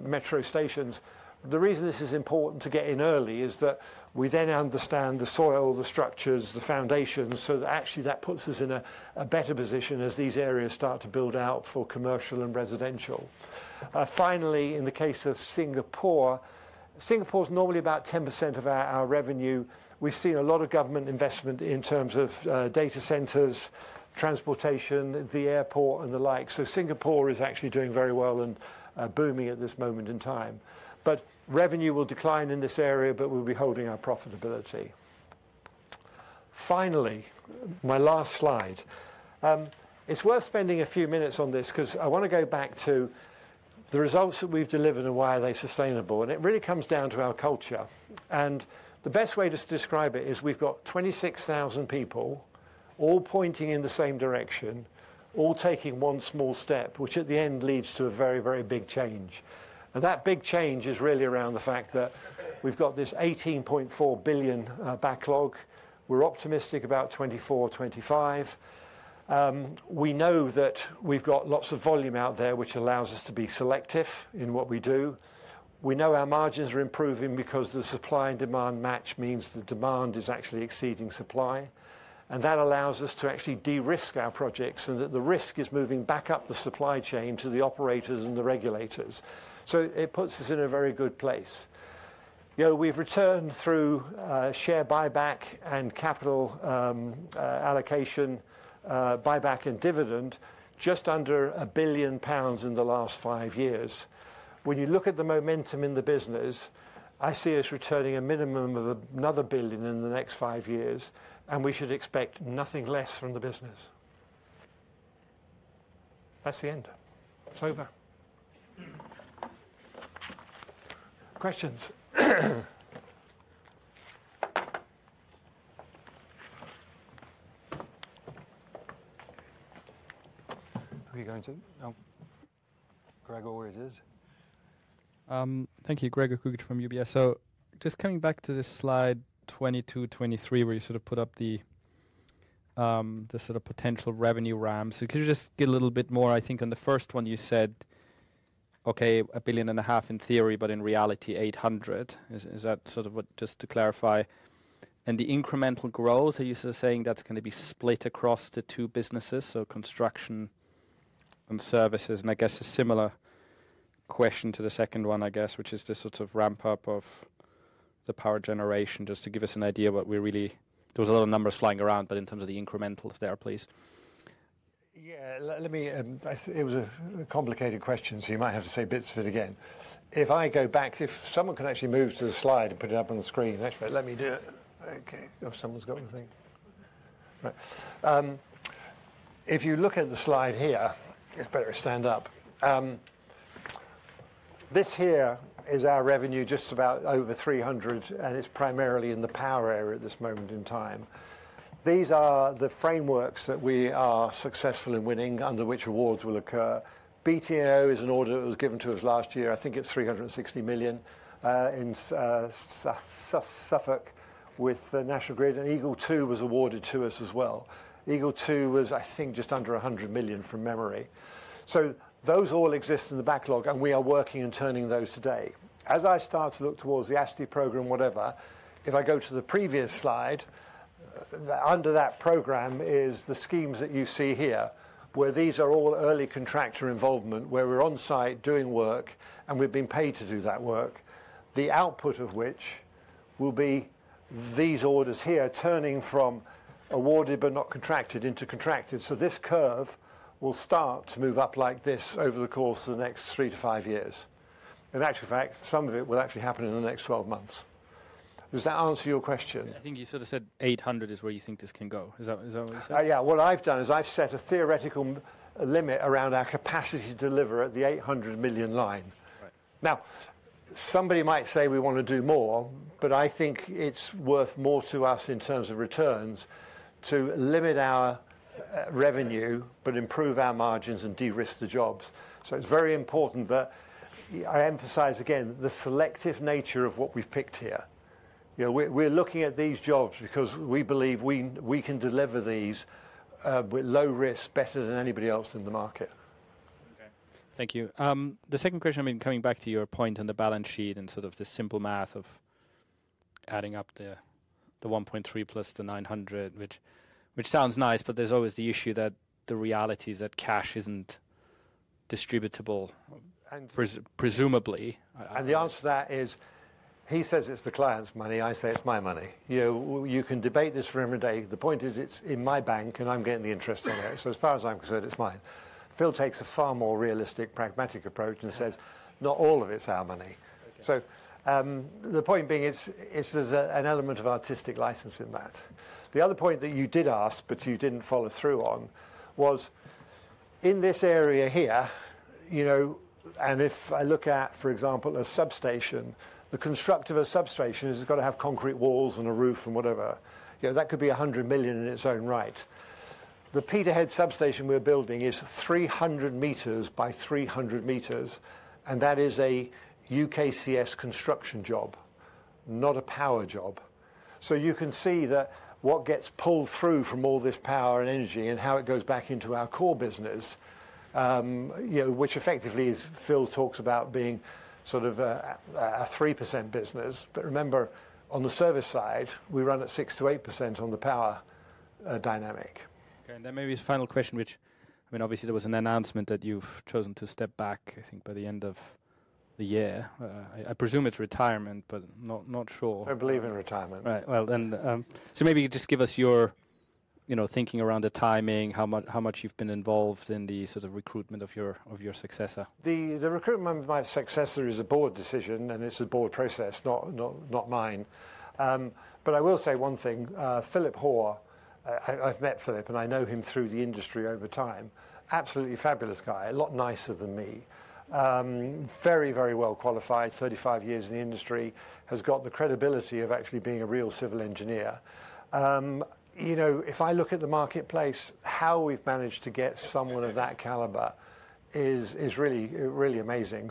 metro stations. The reason this is important to get in early is that we then understand the soil, the structures, the foundations. Actually, that puts us in a better position as these areas start to build out for commercial and residential. Finally, in the case of Singapore, Singapore's normally about 10% of our revenue. We've seen a lot of government investment in terms of data centers, transportation, the airport, and the like. Singapore is actually doing very well and booming at this moment in time. Revenue will decline in this area, but we'll be holding our profitability. Finally, my last slide. It's worth spending a few minutes on this because I want to go back to the results that we've delivered and why are they sustainable. It really comes down to our culture. The best way to describe it is we've got 26,000 people all pointing in the same direction, all taking one small step, which at the end leads to a very, very big change. That big change is really around the fact that we've got this 18.4 billion backlog. We're optimistic about 2024, 2025. We know that we've got lots of volume out there, which allows us to be selective in what we do. We know our margins are improving because the supply and demand match means the demand is actually exceeding supply. That allows us to actually de-risk our projects and the risk is moving back up the supply chain to the operators and the regulators. It puts us in a very good place. We have returned through share buyback and capital allocation, buyback and dividend just under 1 billion pounds in the last five years. When you look at the momentum in the business, I see us returning a minimum of another 1 billion in the next five years, and we should expect nothing less from the business. That's the end. It's over. Questions? Are we going to? Gregor it is. Thank you. Gregor Kuglitsch from UBS. Just coming back to this slide 22, 23, where you sort of put up the sort of potential revenue ramp. Could you just get a little bit more? I think on the first one, you said, okay, 1.5 billion in theory, but in reality, 800 million. Is that sort of what, just to clarify? And the incremental growth, are you sort of saying that's going to be split across the two businesses? So construction and services. I guess a similar question to the second one, which is the sort of ramp-up of the power generation, just to give us an idea of what we really, there was a lot of numbers flying around, but in terms of the incrementals there, please. Yeah, let me, it was a complicated question, so you might have to say bits of it again. If I go back, if someone can actually move to the slide and put it up on the screen, actually, let me do it. Okay, or someone's got the thing. If you look at the slide here, it's better to stand up. This here is our revenue, just about over 300, and it's primarily in the power area at this moment in time. These are the frameworks that we are successful in winning, under which awards will occur. BTNO is an order that was given to us last year. I think it's 360 million in Suffolk with the National Grid. EGL2 was awarded to us as well. EGL2 was, I think, just under 100 million from memory. Those all exist in the backlog, and we are working and turning those today. As I start to look towards the ASTI program, whatever, if I go to the previous slide, under that program is the schemes that you see here, where these are all early contractor involvement, where we're on site doing work, and we've been paid to do that work, the output of which will be these orders here turning from awarded but not contracted into contracted. This curve will start to move up like this over the course of the next three to five years. In actual fact, some of it will actually happen in the next 12 months. Does that answer your question? I think you sort of said 800 million is where you think this can go. Is that what you said? Yeah, what I've done is I've set a theoretical limit around our capacity to deliver at the 800 million line. Now, somebody might say we want to do more, but I think it's worth more to us in terms of returns to limit our revenue, but improve our margins and de-risk the jobs. It is very important that I emphasize again the selective nature of what we've picked here. We're looking at these jobs because we believe we can deliver these with low risk better than anybody else in the market. Okay, thank you. The second question, I mean, coming back to your point on the balance sheet and sort of the simple math of adding up the 1.3 million plus the 900 million, which sounds nice, but there's always the issue that the reality is that cash isn't distributable. And presumably. The answer to that is he says it's the client's money. I say it's my money. You can debate this for every day. The point is it's in my bank, and I'm getting the interest on it. As far as I'm concerned, it's mine. Phil takes a far more realistic, pragmatic approach and says, not all of it's our money. The point being, there's an element of artistic license in that. The other point that you did ask, but you didn't follow through on, was in this area here, and if I look at, for example, a substation, the construct of a substation has got to have concrete walls and a roof and whatever. That could be 100 million in its own right. The Peterhead substation we're building is 300 meters by 300 meters, and that is a UKCS construction job, not a Power job. You can see that what gets pulled through from all this power and energy and how it goes back into our core business, which effectively is Phil talks about being sort of a 3% business. Remember, on the service side, we run at 6%-8% on the power dynamic. Okay, maybe his final question, which, I mean, obviously there was an announcement that you've chosen to step back, I think, by the end of the year. I presume it's retirement, but not sure. I don't believe in retirement. Right, and so maybe you could just give us your thinking around the timing, how much you've been involved in the sort of recruitment of your successor. The recruitment of my successor is a board decision, and it's a board process, not mine. I will say one thing. Philip Hoare, I've met Philip, and I know him through the industry over time. Absolutely fabulous guy, a lot nicer than me. Very, very well qualified, 35 years in the industry, has got the credibility of actually being a real civil engineer. If I look at the marketplace, how we've managed to get someone of that caliber is really amazing.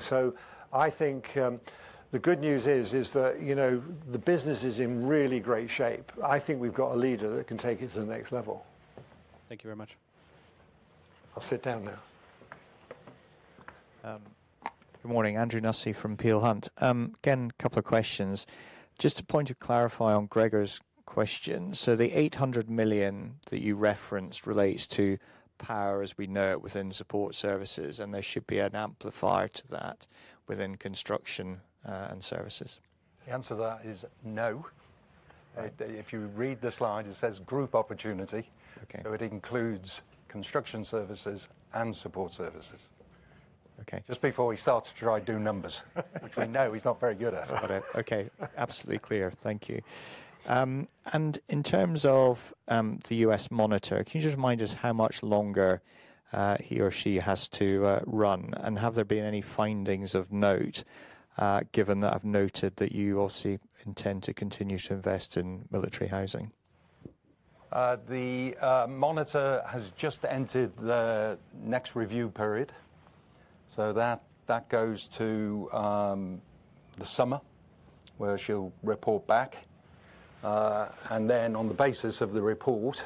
I think the good news is that the business is in really great shape. I think we've got a leader that can take it to the next level. Thank you very much. I'll sit down now. Good morning, Andrew Nussey from Peel Hunt. Again, a couple of questions. Just a point to clarify on Gregor's question. The 800 million that you referenced relates to power as we know it within support services, and there should be an amplifier to that within construction and services. The answer to that is no. If you read the slide, it says group opportunity. It includes construction services and support services. Okay. Just before we start to try do numbers, which we know he's not very good at. Got it. Okay, absolutely clear. Thank you. In terms of the U.S. monitor, can you just remind us how much longer he or she has to run? Have there been any findings of note, given that I've noted that you obviously intend to continue to invest in military housing? The monitor has just entered the next review period. That goes to the summer, where she'll report back. On the basis of the report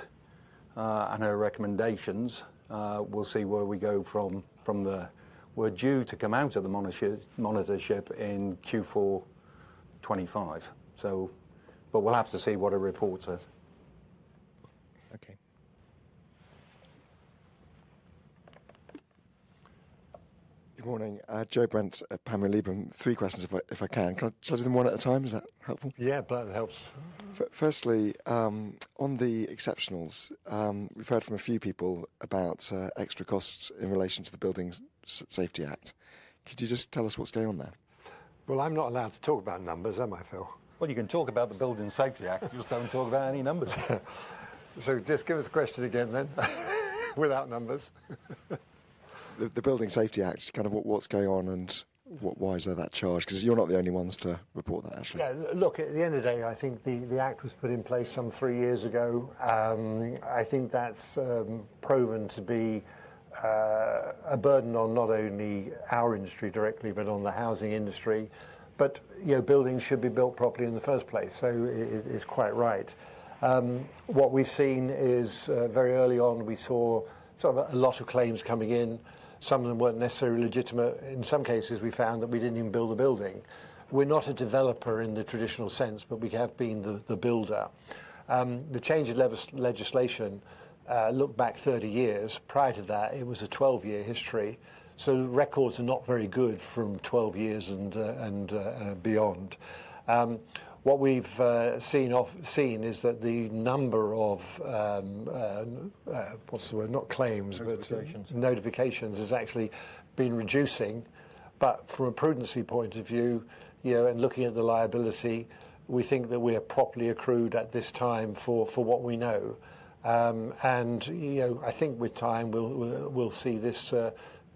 and her recommendations, we'll see where we go from there. We are due to come out of the monitorship in Q4 2025. We'll have to see what her report says. Okay. Good morning. Joe Brent at Palmer & Lieberman. Three questions, if I can. Can I tell you them one at a time? Is that helpful? Yeah, it helps. Firstly, on the exceptionals, we've heard from a few people about extra costs in relation to the Building Safety Act. Could you just tell us what's going on there? I'm not allowed to talk about numbers, am I, Phil? You can talk about the Building Safety Act. You just don't talk about any numbers. Just give us the question again then, without numbers. The Building Safety Act, kind of what's going on and why is there that charge? You're not the only ones to report that, actually. At the end of the day, I think the act was put in place some three years ago. I think that's proven to be a burden on not only our industry directly, but on the housing industry. Buildings should be built properly in the first place. It is quite right. What we've seen is very early on, we saw sort of a lot of claims coming in. Some of them were not necessarily legitimate. In some cases, we found that we did not even build a building. We're not a developer in the traditional sense, but we have been the builder. The change of legislation, look back 30 years. Prior to that, it was a 12-year history. Records are not very good from 12 years and beyond. What we've seen is that the number of, what's the word, not claims, but notifications has actually been reducing. From a prudency point of view and looking at the liability, we think that we are properly accrued at this time for what we know. I think with time, we'll see this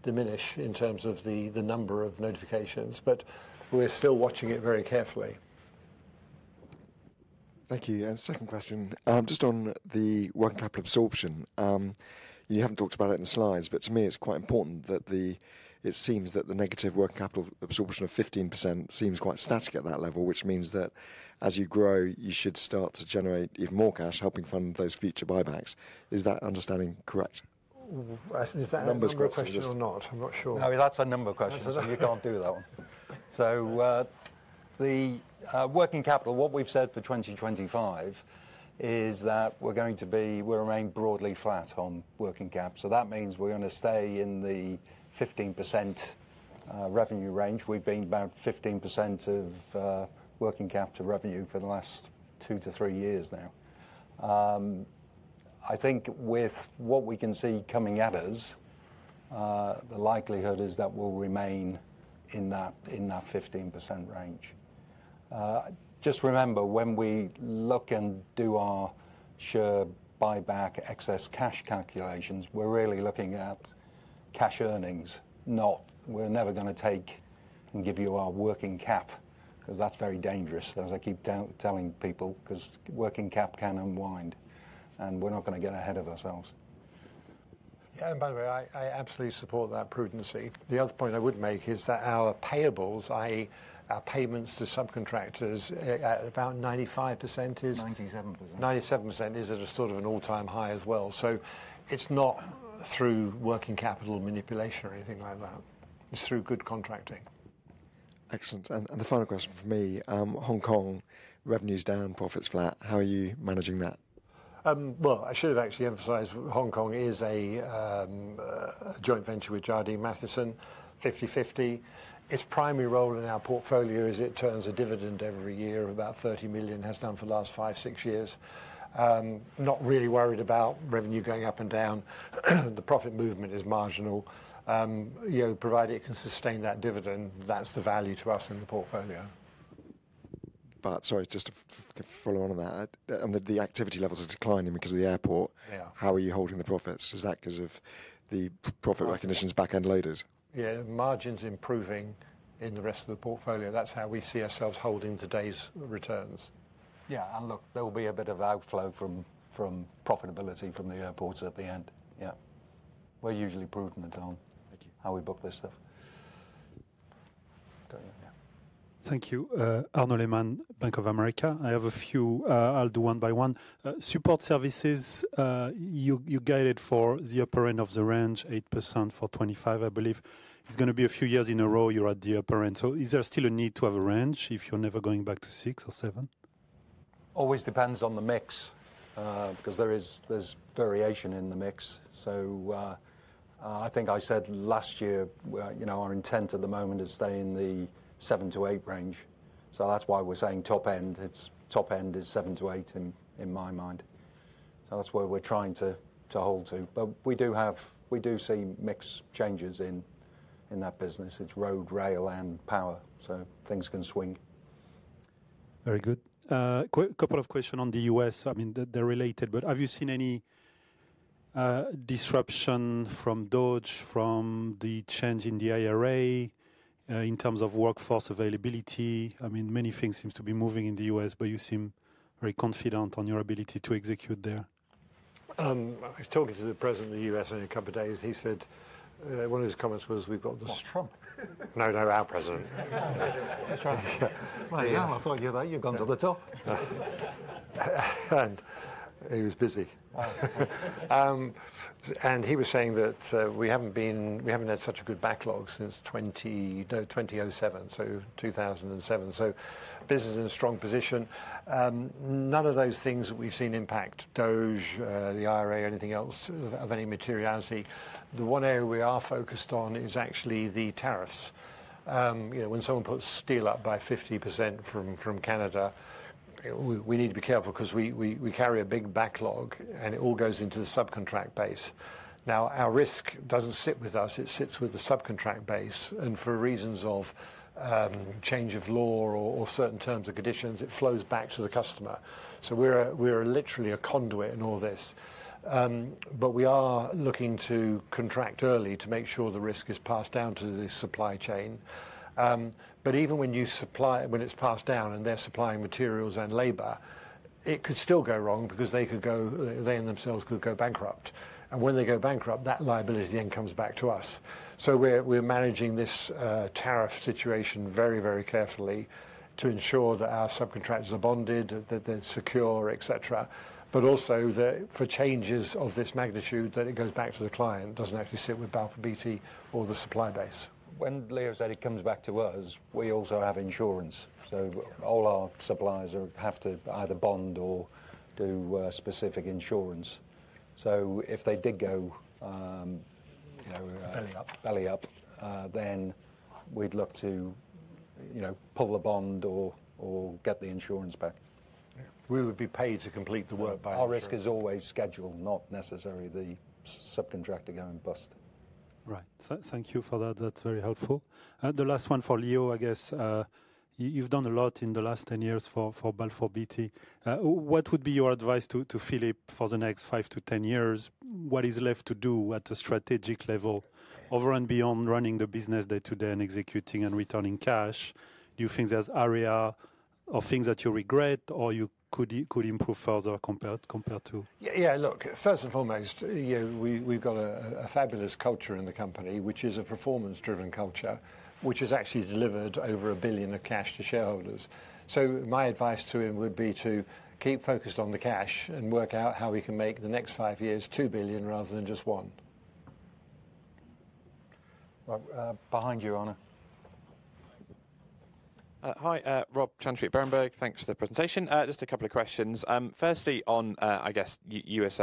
diminish in terms of the number of notifications. We are still watching it very carefully. Thank you. Second question, just on the working capital absorption, you have not talked about it in the slides, but to me, it is quite important that it seems that the negative working capital absorption of 15% seems quite static at that level, which means that as you grow, you should start to generate even more cash helping fund those future buybacks. Is that understanding correct? Is that a number question or not? I am not sure. No, that is a number question. You cannot do that one. The working capital, what we've said for 2025 is that we're going to be remaining broadly flat on working cap. That means we're going to stay in the 15% revenue range. We've been about 15% of working capital revenue for the last two to three years now. I think with what we can see coming at us, the likelihood is that we'll remain in that 15% range. Just remember, when we look and do our share buyback excess cash calculations, we're really looking at cash earnings, not we're never going to take and give you our working cap, because that's very dangerous, as I keep telling people, because working cap can unwind, and we're not going to get ahead of ourselves. Yeah, and by the way, I absolutely support that prudency. The other point I would make is that our payables, i.e., our payments to subcontractors, about 95%. 97% is at a sort of an all-time high as well. It is not through working capital manipulation or anything like that. It is through good contracting. Excellent. The final question for me, Hong Kong, revenues down, profits flat. How are you managing that? I should have actually emphasized Hong Kong is a joint venture with Jardine Matheson, 50/50. Its primary role in our portfolio is it turns a dividend every year of about 30 million, has done for the last five, six years. Not really worried about revenue going up and down. The profit movement is marginal. Provided it can sustain that dividend, that is the value to us in the portfolio. Sorry, just to follow on on that, the activity levels are declining because of the airport. How are you holding the profits? Is that because the profit recognition is back end loaded? Yeah, margins improving in the rest of the portfolio. That's how we see ourselves holding today's returns. Yeah, look, there will be a bit of outflow from profitability from the airports at the end. Yeah, we're usually prudent on how we book this stuff. Thank you. Arnaud Lehmann, Bank of America. I have a few, I'll do one by one. Support services, you guided for the upper end of the range, 8% for 2025, I believe. It's going to be a few years in a row you're at the upper end. Is there still a need to have a range if you're never going back to six or seven? Always depends on the mix, because there's variation in the mix. I think I said last year, our intent at the moment is staying in the seven to eight range. That's why we're saying top end, it's top end is seven to eight in my mind. That's what we're trying to hold to. We do see mixed changes in that business. It's road, rail, and power. Things can swing. Very good. A couple of questions on the U.S. I mean, they're related, but have you seen any disruption from DOGE, from the change in the IRA in terms of workforce availability? I mean, many things seem to be moving in the U.S., but you seem very confident on your ability to execute there. I've talked to the president of the U.S. in a couple of days. He said, one of his comments was, we've got this Trump. No, no, our president. That's right. My God, I thought you'd gone to the top. He was busy. He was saying that we haven't had such a good backlog since 2007, so 2007. Business is in a strong position. None of those things that we've seen impact DOGE, the IRA, or anything else of any materiality. The one area we are focused on is actually the tariffs. When someone puts steel up by 50% from Canada, we need to be careful because we carry a big backlog, and it all goes into the subcontract base. Now, our risk doesn't sit with us. It sits with the subcontract base. For reasons of change of law or certain terms and conditions, it flows back to the customer. We are literally a conduit in all this. We are looking to contract early to make sure the risk is passed down to the supply chain. Even when it's passed down and they're supplying materials and labor, it could still go wrong because they could go, they themselves could go bankrupt. When they go bankrupt, that liability then comes back to us. We're managing this tariff situation very, very carefully to ensure that our subcontractors are bonded, that they're secure, etc. Also, for changes of this magnitude, it goes back to the client, doesn't actually sit with Balfour Beatty or the supply base. When Leo said it comes back to us, we also have insurance. All our suppliers have to either bond or do specific insurance. If they did go belly up, then we'd look to pull the bond or get the insurance back. We would be paid to complete the work by ourselves. Our risk is always scheduled, not necessarily the subcontractor going bust. Right. Thank you for that. That's very helpful. The last one for Leo, I guess. You've done a lot in the last 10 years for Balfour Beatty. What would be your advice to Philip for the next five to 10 years? What is left to do at the strategic level over and beyond running the business day to day and executing and returning cash? Do you think there's area or things that you regret or you could improve further compared to? Yeah, look, first and foremost, we've got a fabulous culture in the company, which is a performance-driven culture, which has actually delivered over 1 billion of cash to shareholders. My advice to him would be to keep focused on the cash and work out how we can make the next five years 2 billion rather than just one. Behind you, Arnaud. Hi, Robert Chantry at Berenberg. Thanks for the presentation. Just a couple of questions. Firstly, on, I guess, U.S.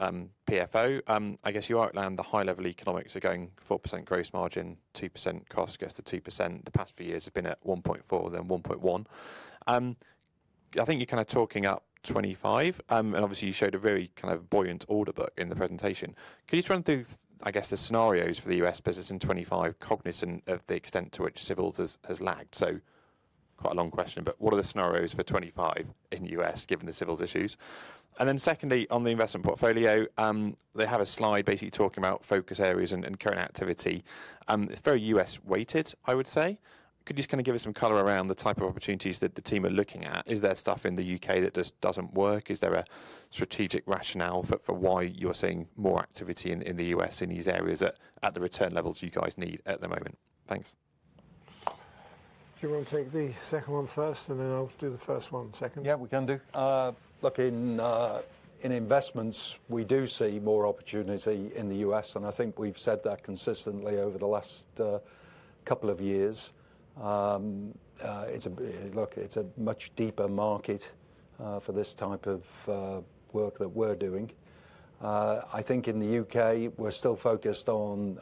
PFO, I guess you outlined the high-level economics are going 4% gross margin, 2% cost, guess the 2%. The past few years have been at 1.4, then 1.1. I think you're kind of talking up 25. Obviously, you showed a very kind of buoyant order book in the presentation. Could you run through, I guess, the scenarios for the U.S. business in 25, cognizant of the extent to which civils has lagged? Quite a long question, but what are the scenarios for 25 in the U.S., given the civils issues? Secondly, on the investment portfolio, they have a slide basically talking about focus areas and current activity. It's very U.S.-weighted, I would say. Could you just kind of give us some color around the type of opportunities that the team are looking at? Is there stuff in the U.K. that just doesn't work? Is there a strategic rationale for why you're seeing more activity in the U.S. in these areas at the return levels you guys need at the moment? Thanks. Do you want to take the second one first, and then I'll do the first one second? Yeah, we can do. Look, in investments, we do see more opportunity in the U.S. And I think we've said that consistently over the last couple of years. Look, it's a much deeper market for this type of work that we're doing. I think in the U.K., we're still focused on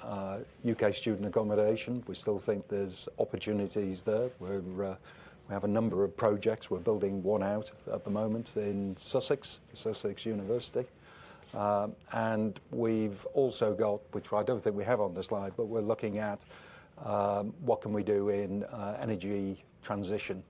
U.K. student accommodation. We still think there's opportunities there. We have a number of projects. We're building one out at the moment in Sussex, Sussex University. We've also got, which I don't think we have on the slide, but we're looking at what can we do in energy transition.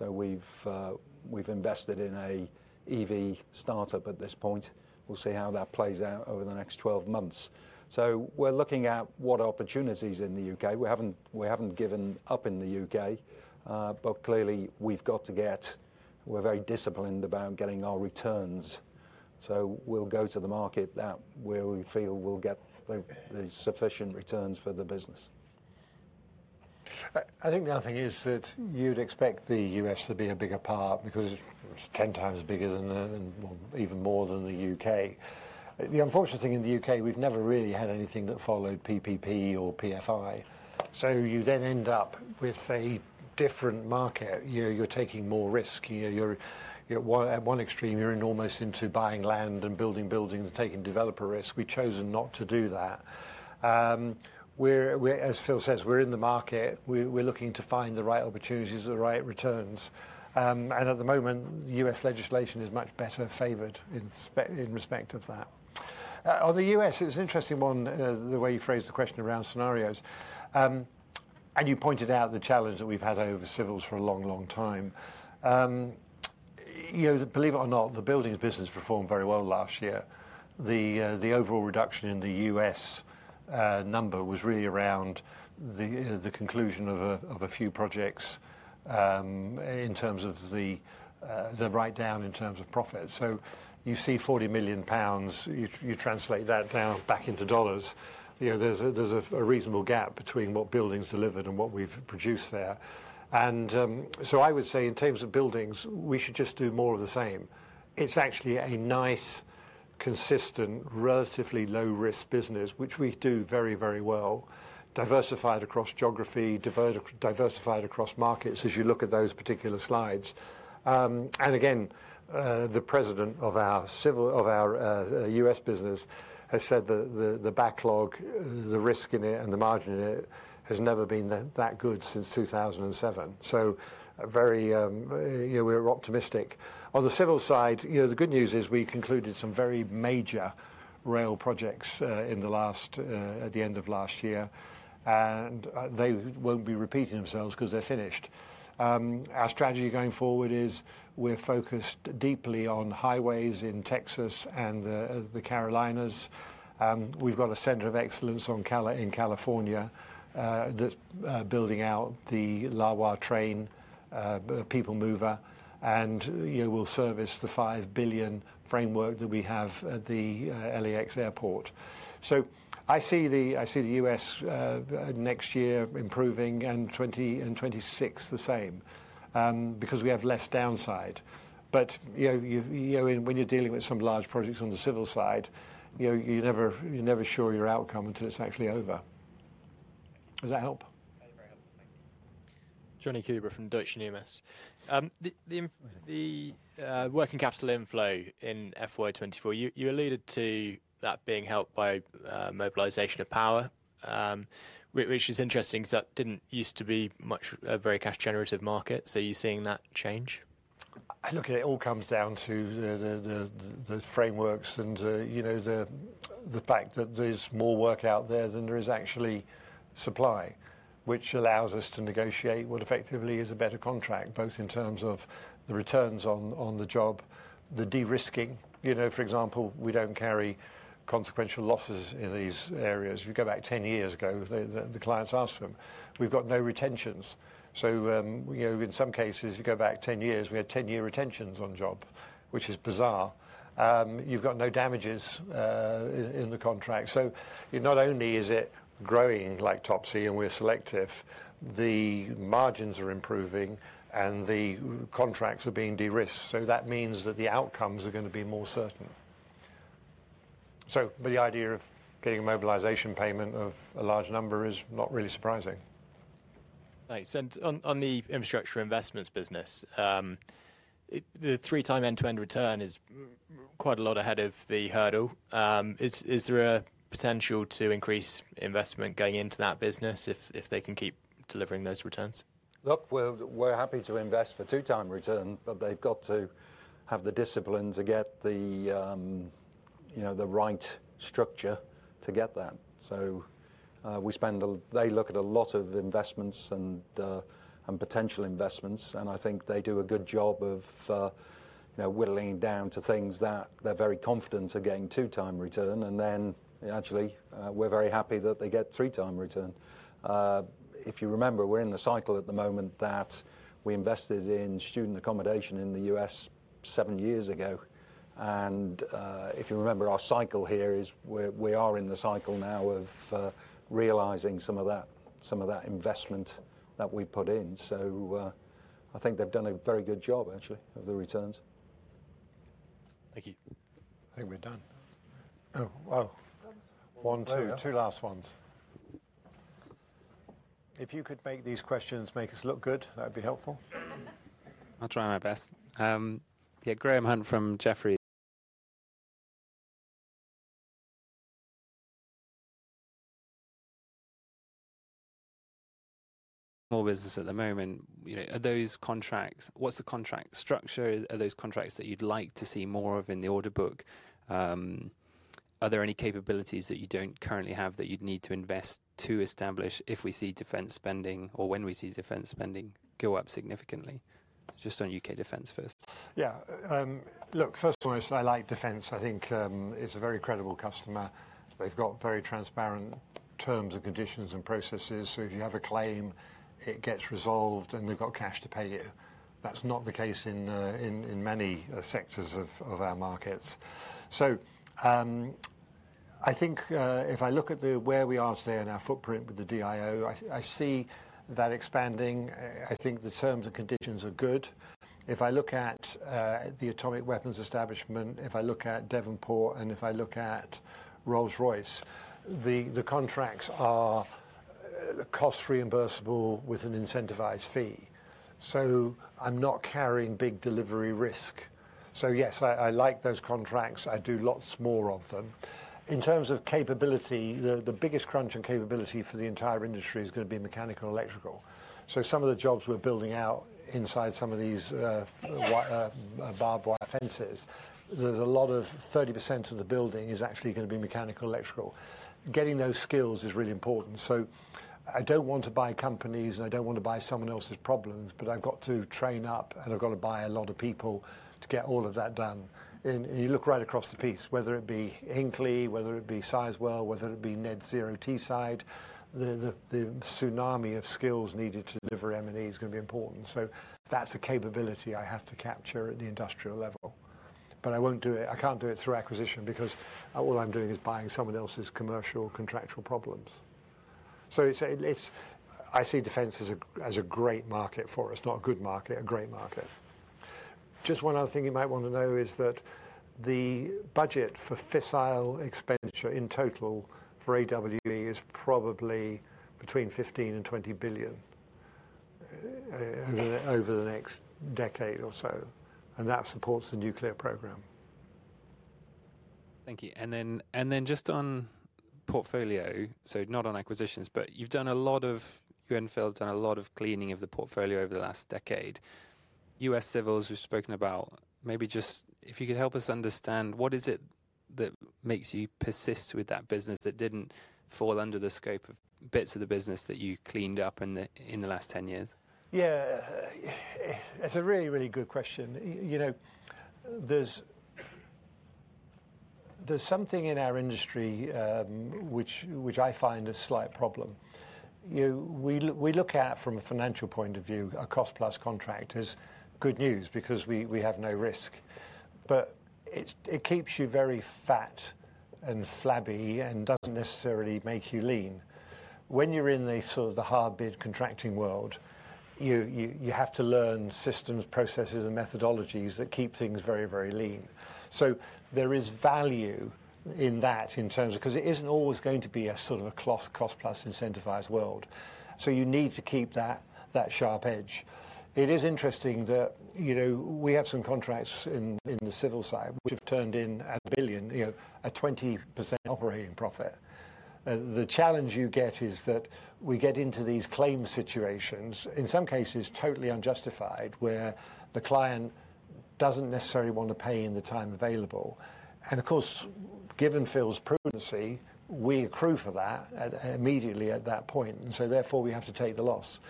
We've invested in an EV startup at this point. We'll see how that plays out over the next 12 months. We're looking at what opportunities in the U.K. We haven't given up in the U.K., but clearly we've got to get. We're very disciplined about getting our returns. We'll go to the market that where we feel we'll get the sufficient returns for the business. I think the other thing is that you'd expect the U.S. to be a bigger part because it's 10x bigger than even more than the U.K. The unfortunate thing in the U.K., we've never really had anything that followed PPP or PFI. You then end up with a different market. You're taking more risk. At one extreme, you're almost into buying land and building buildings and taking developer risk. We've chosen not to do that. As Phil says, we're in the market. We're looking to find the right opportunities at the right returns. At the moment, U.S. legislation is much better favored in respect of that. On the U.S., it's an interesting one, the way you phrased the question around scenarios. You pointed out the challenge that we've had over civils for a long, long time. Believe it or not, the buildings business performed very well last year. The overall reduction in the U.S. number was really around the conclusion of a few projects in terms of the write-down in terms of profits. You see 40 million pounds. You translate that now back into dollars. There's a reasonable gap between what buildings delivered and what we've produced there. I would say in terms of buildings, we should just do more of the same. It's actually a nice, consistent, relatively low-risk business, which we do very, very well, diversified across geography, diversified across markets as you look at those particular slides. Again, the president of our US business has said that the backlog, the risk in it, and the margin in it has never been that good since 2007. We are optimistic. On the civil side, the good news is we concluded some very major rail projects at the end of last year. They won't be repeating themselves because they're finished. Our strategy going forward is we're focused deeply on highways in Texas and the Carolinas. We've got a center of excellence in California that's building out the LAWA train, People Mover. We will service the 5 billion framework that we have at the LAX airport. I see the US next year improving and 2026 the same because we have less downside. When you are dealing with some large projects on the civil side, you are never sure your outcome until it is actually over. Does that help? Very helpful. Thank you. Jonny Coubrough from Deutsche Numis. The working capital inflow in FY 2024, you alluded to that being helped by mobilization of power, which is interesting because that did not used to be a very cash-generative market. Are you seeing that change? Look, it all comes down to the frameworks and the fact that there is more work out there than there is actually supply, which allows us to negotiate what effectively is a better contract, both in terms of the returns on the job, the de-risking. For example, we don't carry consequential losses in these areas. If you go back 10 years ago, the clients asked for them. We've got no retentions. In some cases, if you go back 10 years, we had 10-year retentions on job, which is bizarre. You've got no damages in the contract. Not only is it growing like topsy and we're selective, the margins are improving and the contracts are being de-risked. That means that the outcomes are going to be more certain. The idea of getting a mobilization payment of a large number is not really surprising. Nice. On the infrastructure investments business, the 3x end-to-end return is quite a lot ahead of the hurdle. Is there a potential to increase investment going into that business if they can keep delivering those returns? Look, we're happy to invest for 2x return, but they've got to have the discipline to get the right structure to get that. They look at a lot of investments and potential investments. I think they do a good job of whittling it down to things that they're very confident are getting 2x return. Actually, we're very happy that they get 3x return. If you remember, we're in the cycle at the moment that we invested in student accommodation in the U.S. seven years ago. If you remember our cycle here, we are in the cycle now of realizing some of that investment that we put in. I think they've done a very good job, actually, of the returns. Thank you. I think we're done. Oh, wow. One, two, two last ones. If you could make these questions make us look good, that would be helpful. I'll try my best. Yeah, Graham Hunt from Jefferies. More business at the moment. Are those contracts? What's the contract structure? Are those contracts that you'd like to see more of in the order book? Are there any capabilities that you don't currently have that you'd need to invest to establish if we see defense spending or when we see defense spending go up significantly? Just on U.K. defense first. Yeah. Look, first of all, I like defense. I think it's a very credible customer. They've got very transparent terms and conditions and processes. So if you have a claim, it gets resolved and they've got cash to pay you. That's not the case in many sectors of our markets. I think if I look at where we are today and our footprint with the DIO, I see that expanding. I think the terms and conditions are good. If I look at the Atomic Weapons Establishment, if I look at Devonport, and if I look at Rolls-Royce, the contracts are cost-reimbursable with an incentivized fee. I am not carrying big delivery risk. Yes, I like those contracts. I would do lots more of them. In terms of capability, the biggest crunch on capability for the entire industry is going to be mechanical and electrical. Some of the jobs we are building out inside some of these barbed wire fences, there is a lot of 30% of the building that is actually going to be mechanical and electrical. Getting those skills is really important. I do not want to buy companies and I do not want to buy someone else's problems, but I have to train up and I have to buy a lot of people to get all of that done. You look right across the piece, whether it be Hinkley, whether it be Sizewell, whether it be Net Zero Teesside, the tsunami of skills needed to deliver M&E is going to be important. That is a capability I have to capture at the industrial level. I will not do it. I cannot do it through acquisition because all I am doing is buying someone else's commercial contractual problems. I see defense as a great market for us, not a good market, a great market. Just one other thing you might want to know is that the budget for fissile expenditure in total for AWE is probably between 15 billion and 20 billion over the next decade or so. That supports the nuclear program. Thank you. Just on portfolio, not on acquisitions, but you've done a lot of, you and Phil have done a lot of cleaning of the portfolio over the last decade. U.S. civils, we've spoken about. Maybe just if you could help us understand, what is it that makes you persist with that business that didn't fall under the scope of bits of the business that you cleaned up in the last 10 years? Yeah, it's a really, really good question. There's something in our industry which I find a slight problem. We look at from a financial point of view, a cost-plus contract is good news because we have no risk. It keeps you very fat and flabby and does not necessarily make you lean. When you are in the sort of the hard bid contracting world, you have to learn systems, processes, and methodologies that keep things very, very lean. There is value in that in terms of because it is not always going to be a sort of a cost-plus incentivized world. You need to keep that sharp edge. It is interesting that we have some contracts in the civil side which have turned in a billion, a 20% operating profit. The challenge you get is that we get into these claim situations, in some cases totally unjustified, where the client does not necessarily want to pay in the time available. Of course, given Phil's prudency, we accrue for that immediately at that point. Therefore, we have to take the loss.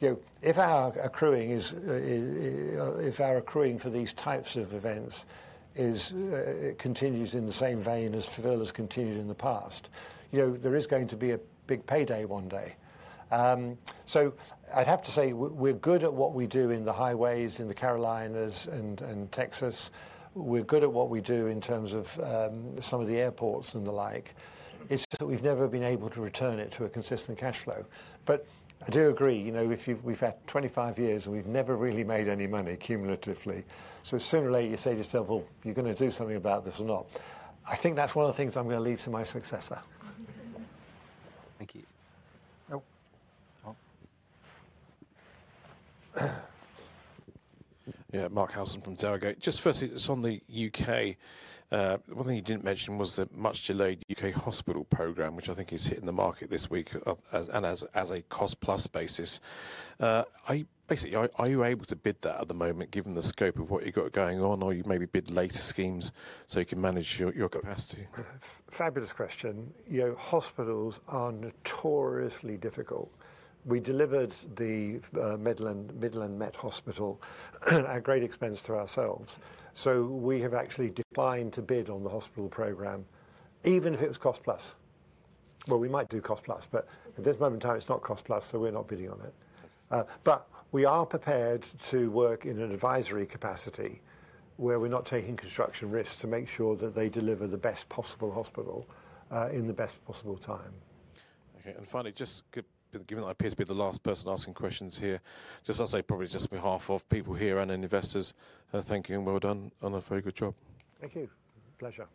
If our accruing for these types of events continues in the same vein as Phil has continued in the past, there is going to be a big payday one day. I have to say we're good at what we do in the highways, in the Carolinas and Texas. We're good at what we do in terms of some of the airports and the like. It's just that we've never been able to return it to a consistent cash flow. I do agree. We've had 25 years and we've never really made any money cumulatively. Sooner or later, you say to yourself, you are going to do something about this or not. I think that's one of the things I'm going to leave to my successor. Thank you. Yeah, Mark Howson from Dowgate. Just firstly, it's on the U.K. One thing you didn't mention was the much-delayed U.K. hospital program, which I think is hitting the market this week and as a cost-plus basis. Basically, are you able to bid that at the moment given the scope of what you've got going on, or you maybe bid later schemes so you can manage your capacity? Fabulous question. Hospitals are notoriously difficult. We delivered the Midland Met Hospital at great expense to ourselves. So we have actually declined to bid on the hospital program, even if it was cost-plus. We might do cost-plus, but at this moment in time, it's not cost-plus, so we're not bidding on it. We are prepared to work in an advisory capacity where we're not taking construction risks to make sure that they deliver the best possible hospital in the best possible time. Okay. Finally, just given that I appear to be the last person asking questions here, just as I say, probably just on behalf of people here and investors are thinking, well done on a very good job. Thank you. Pleasure.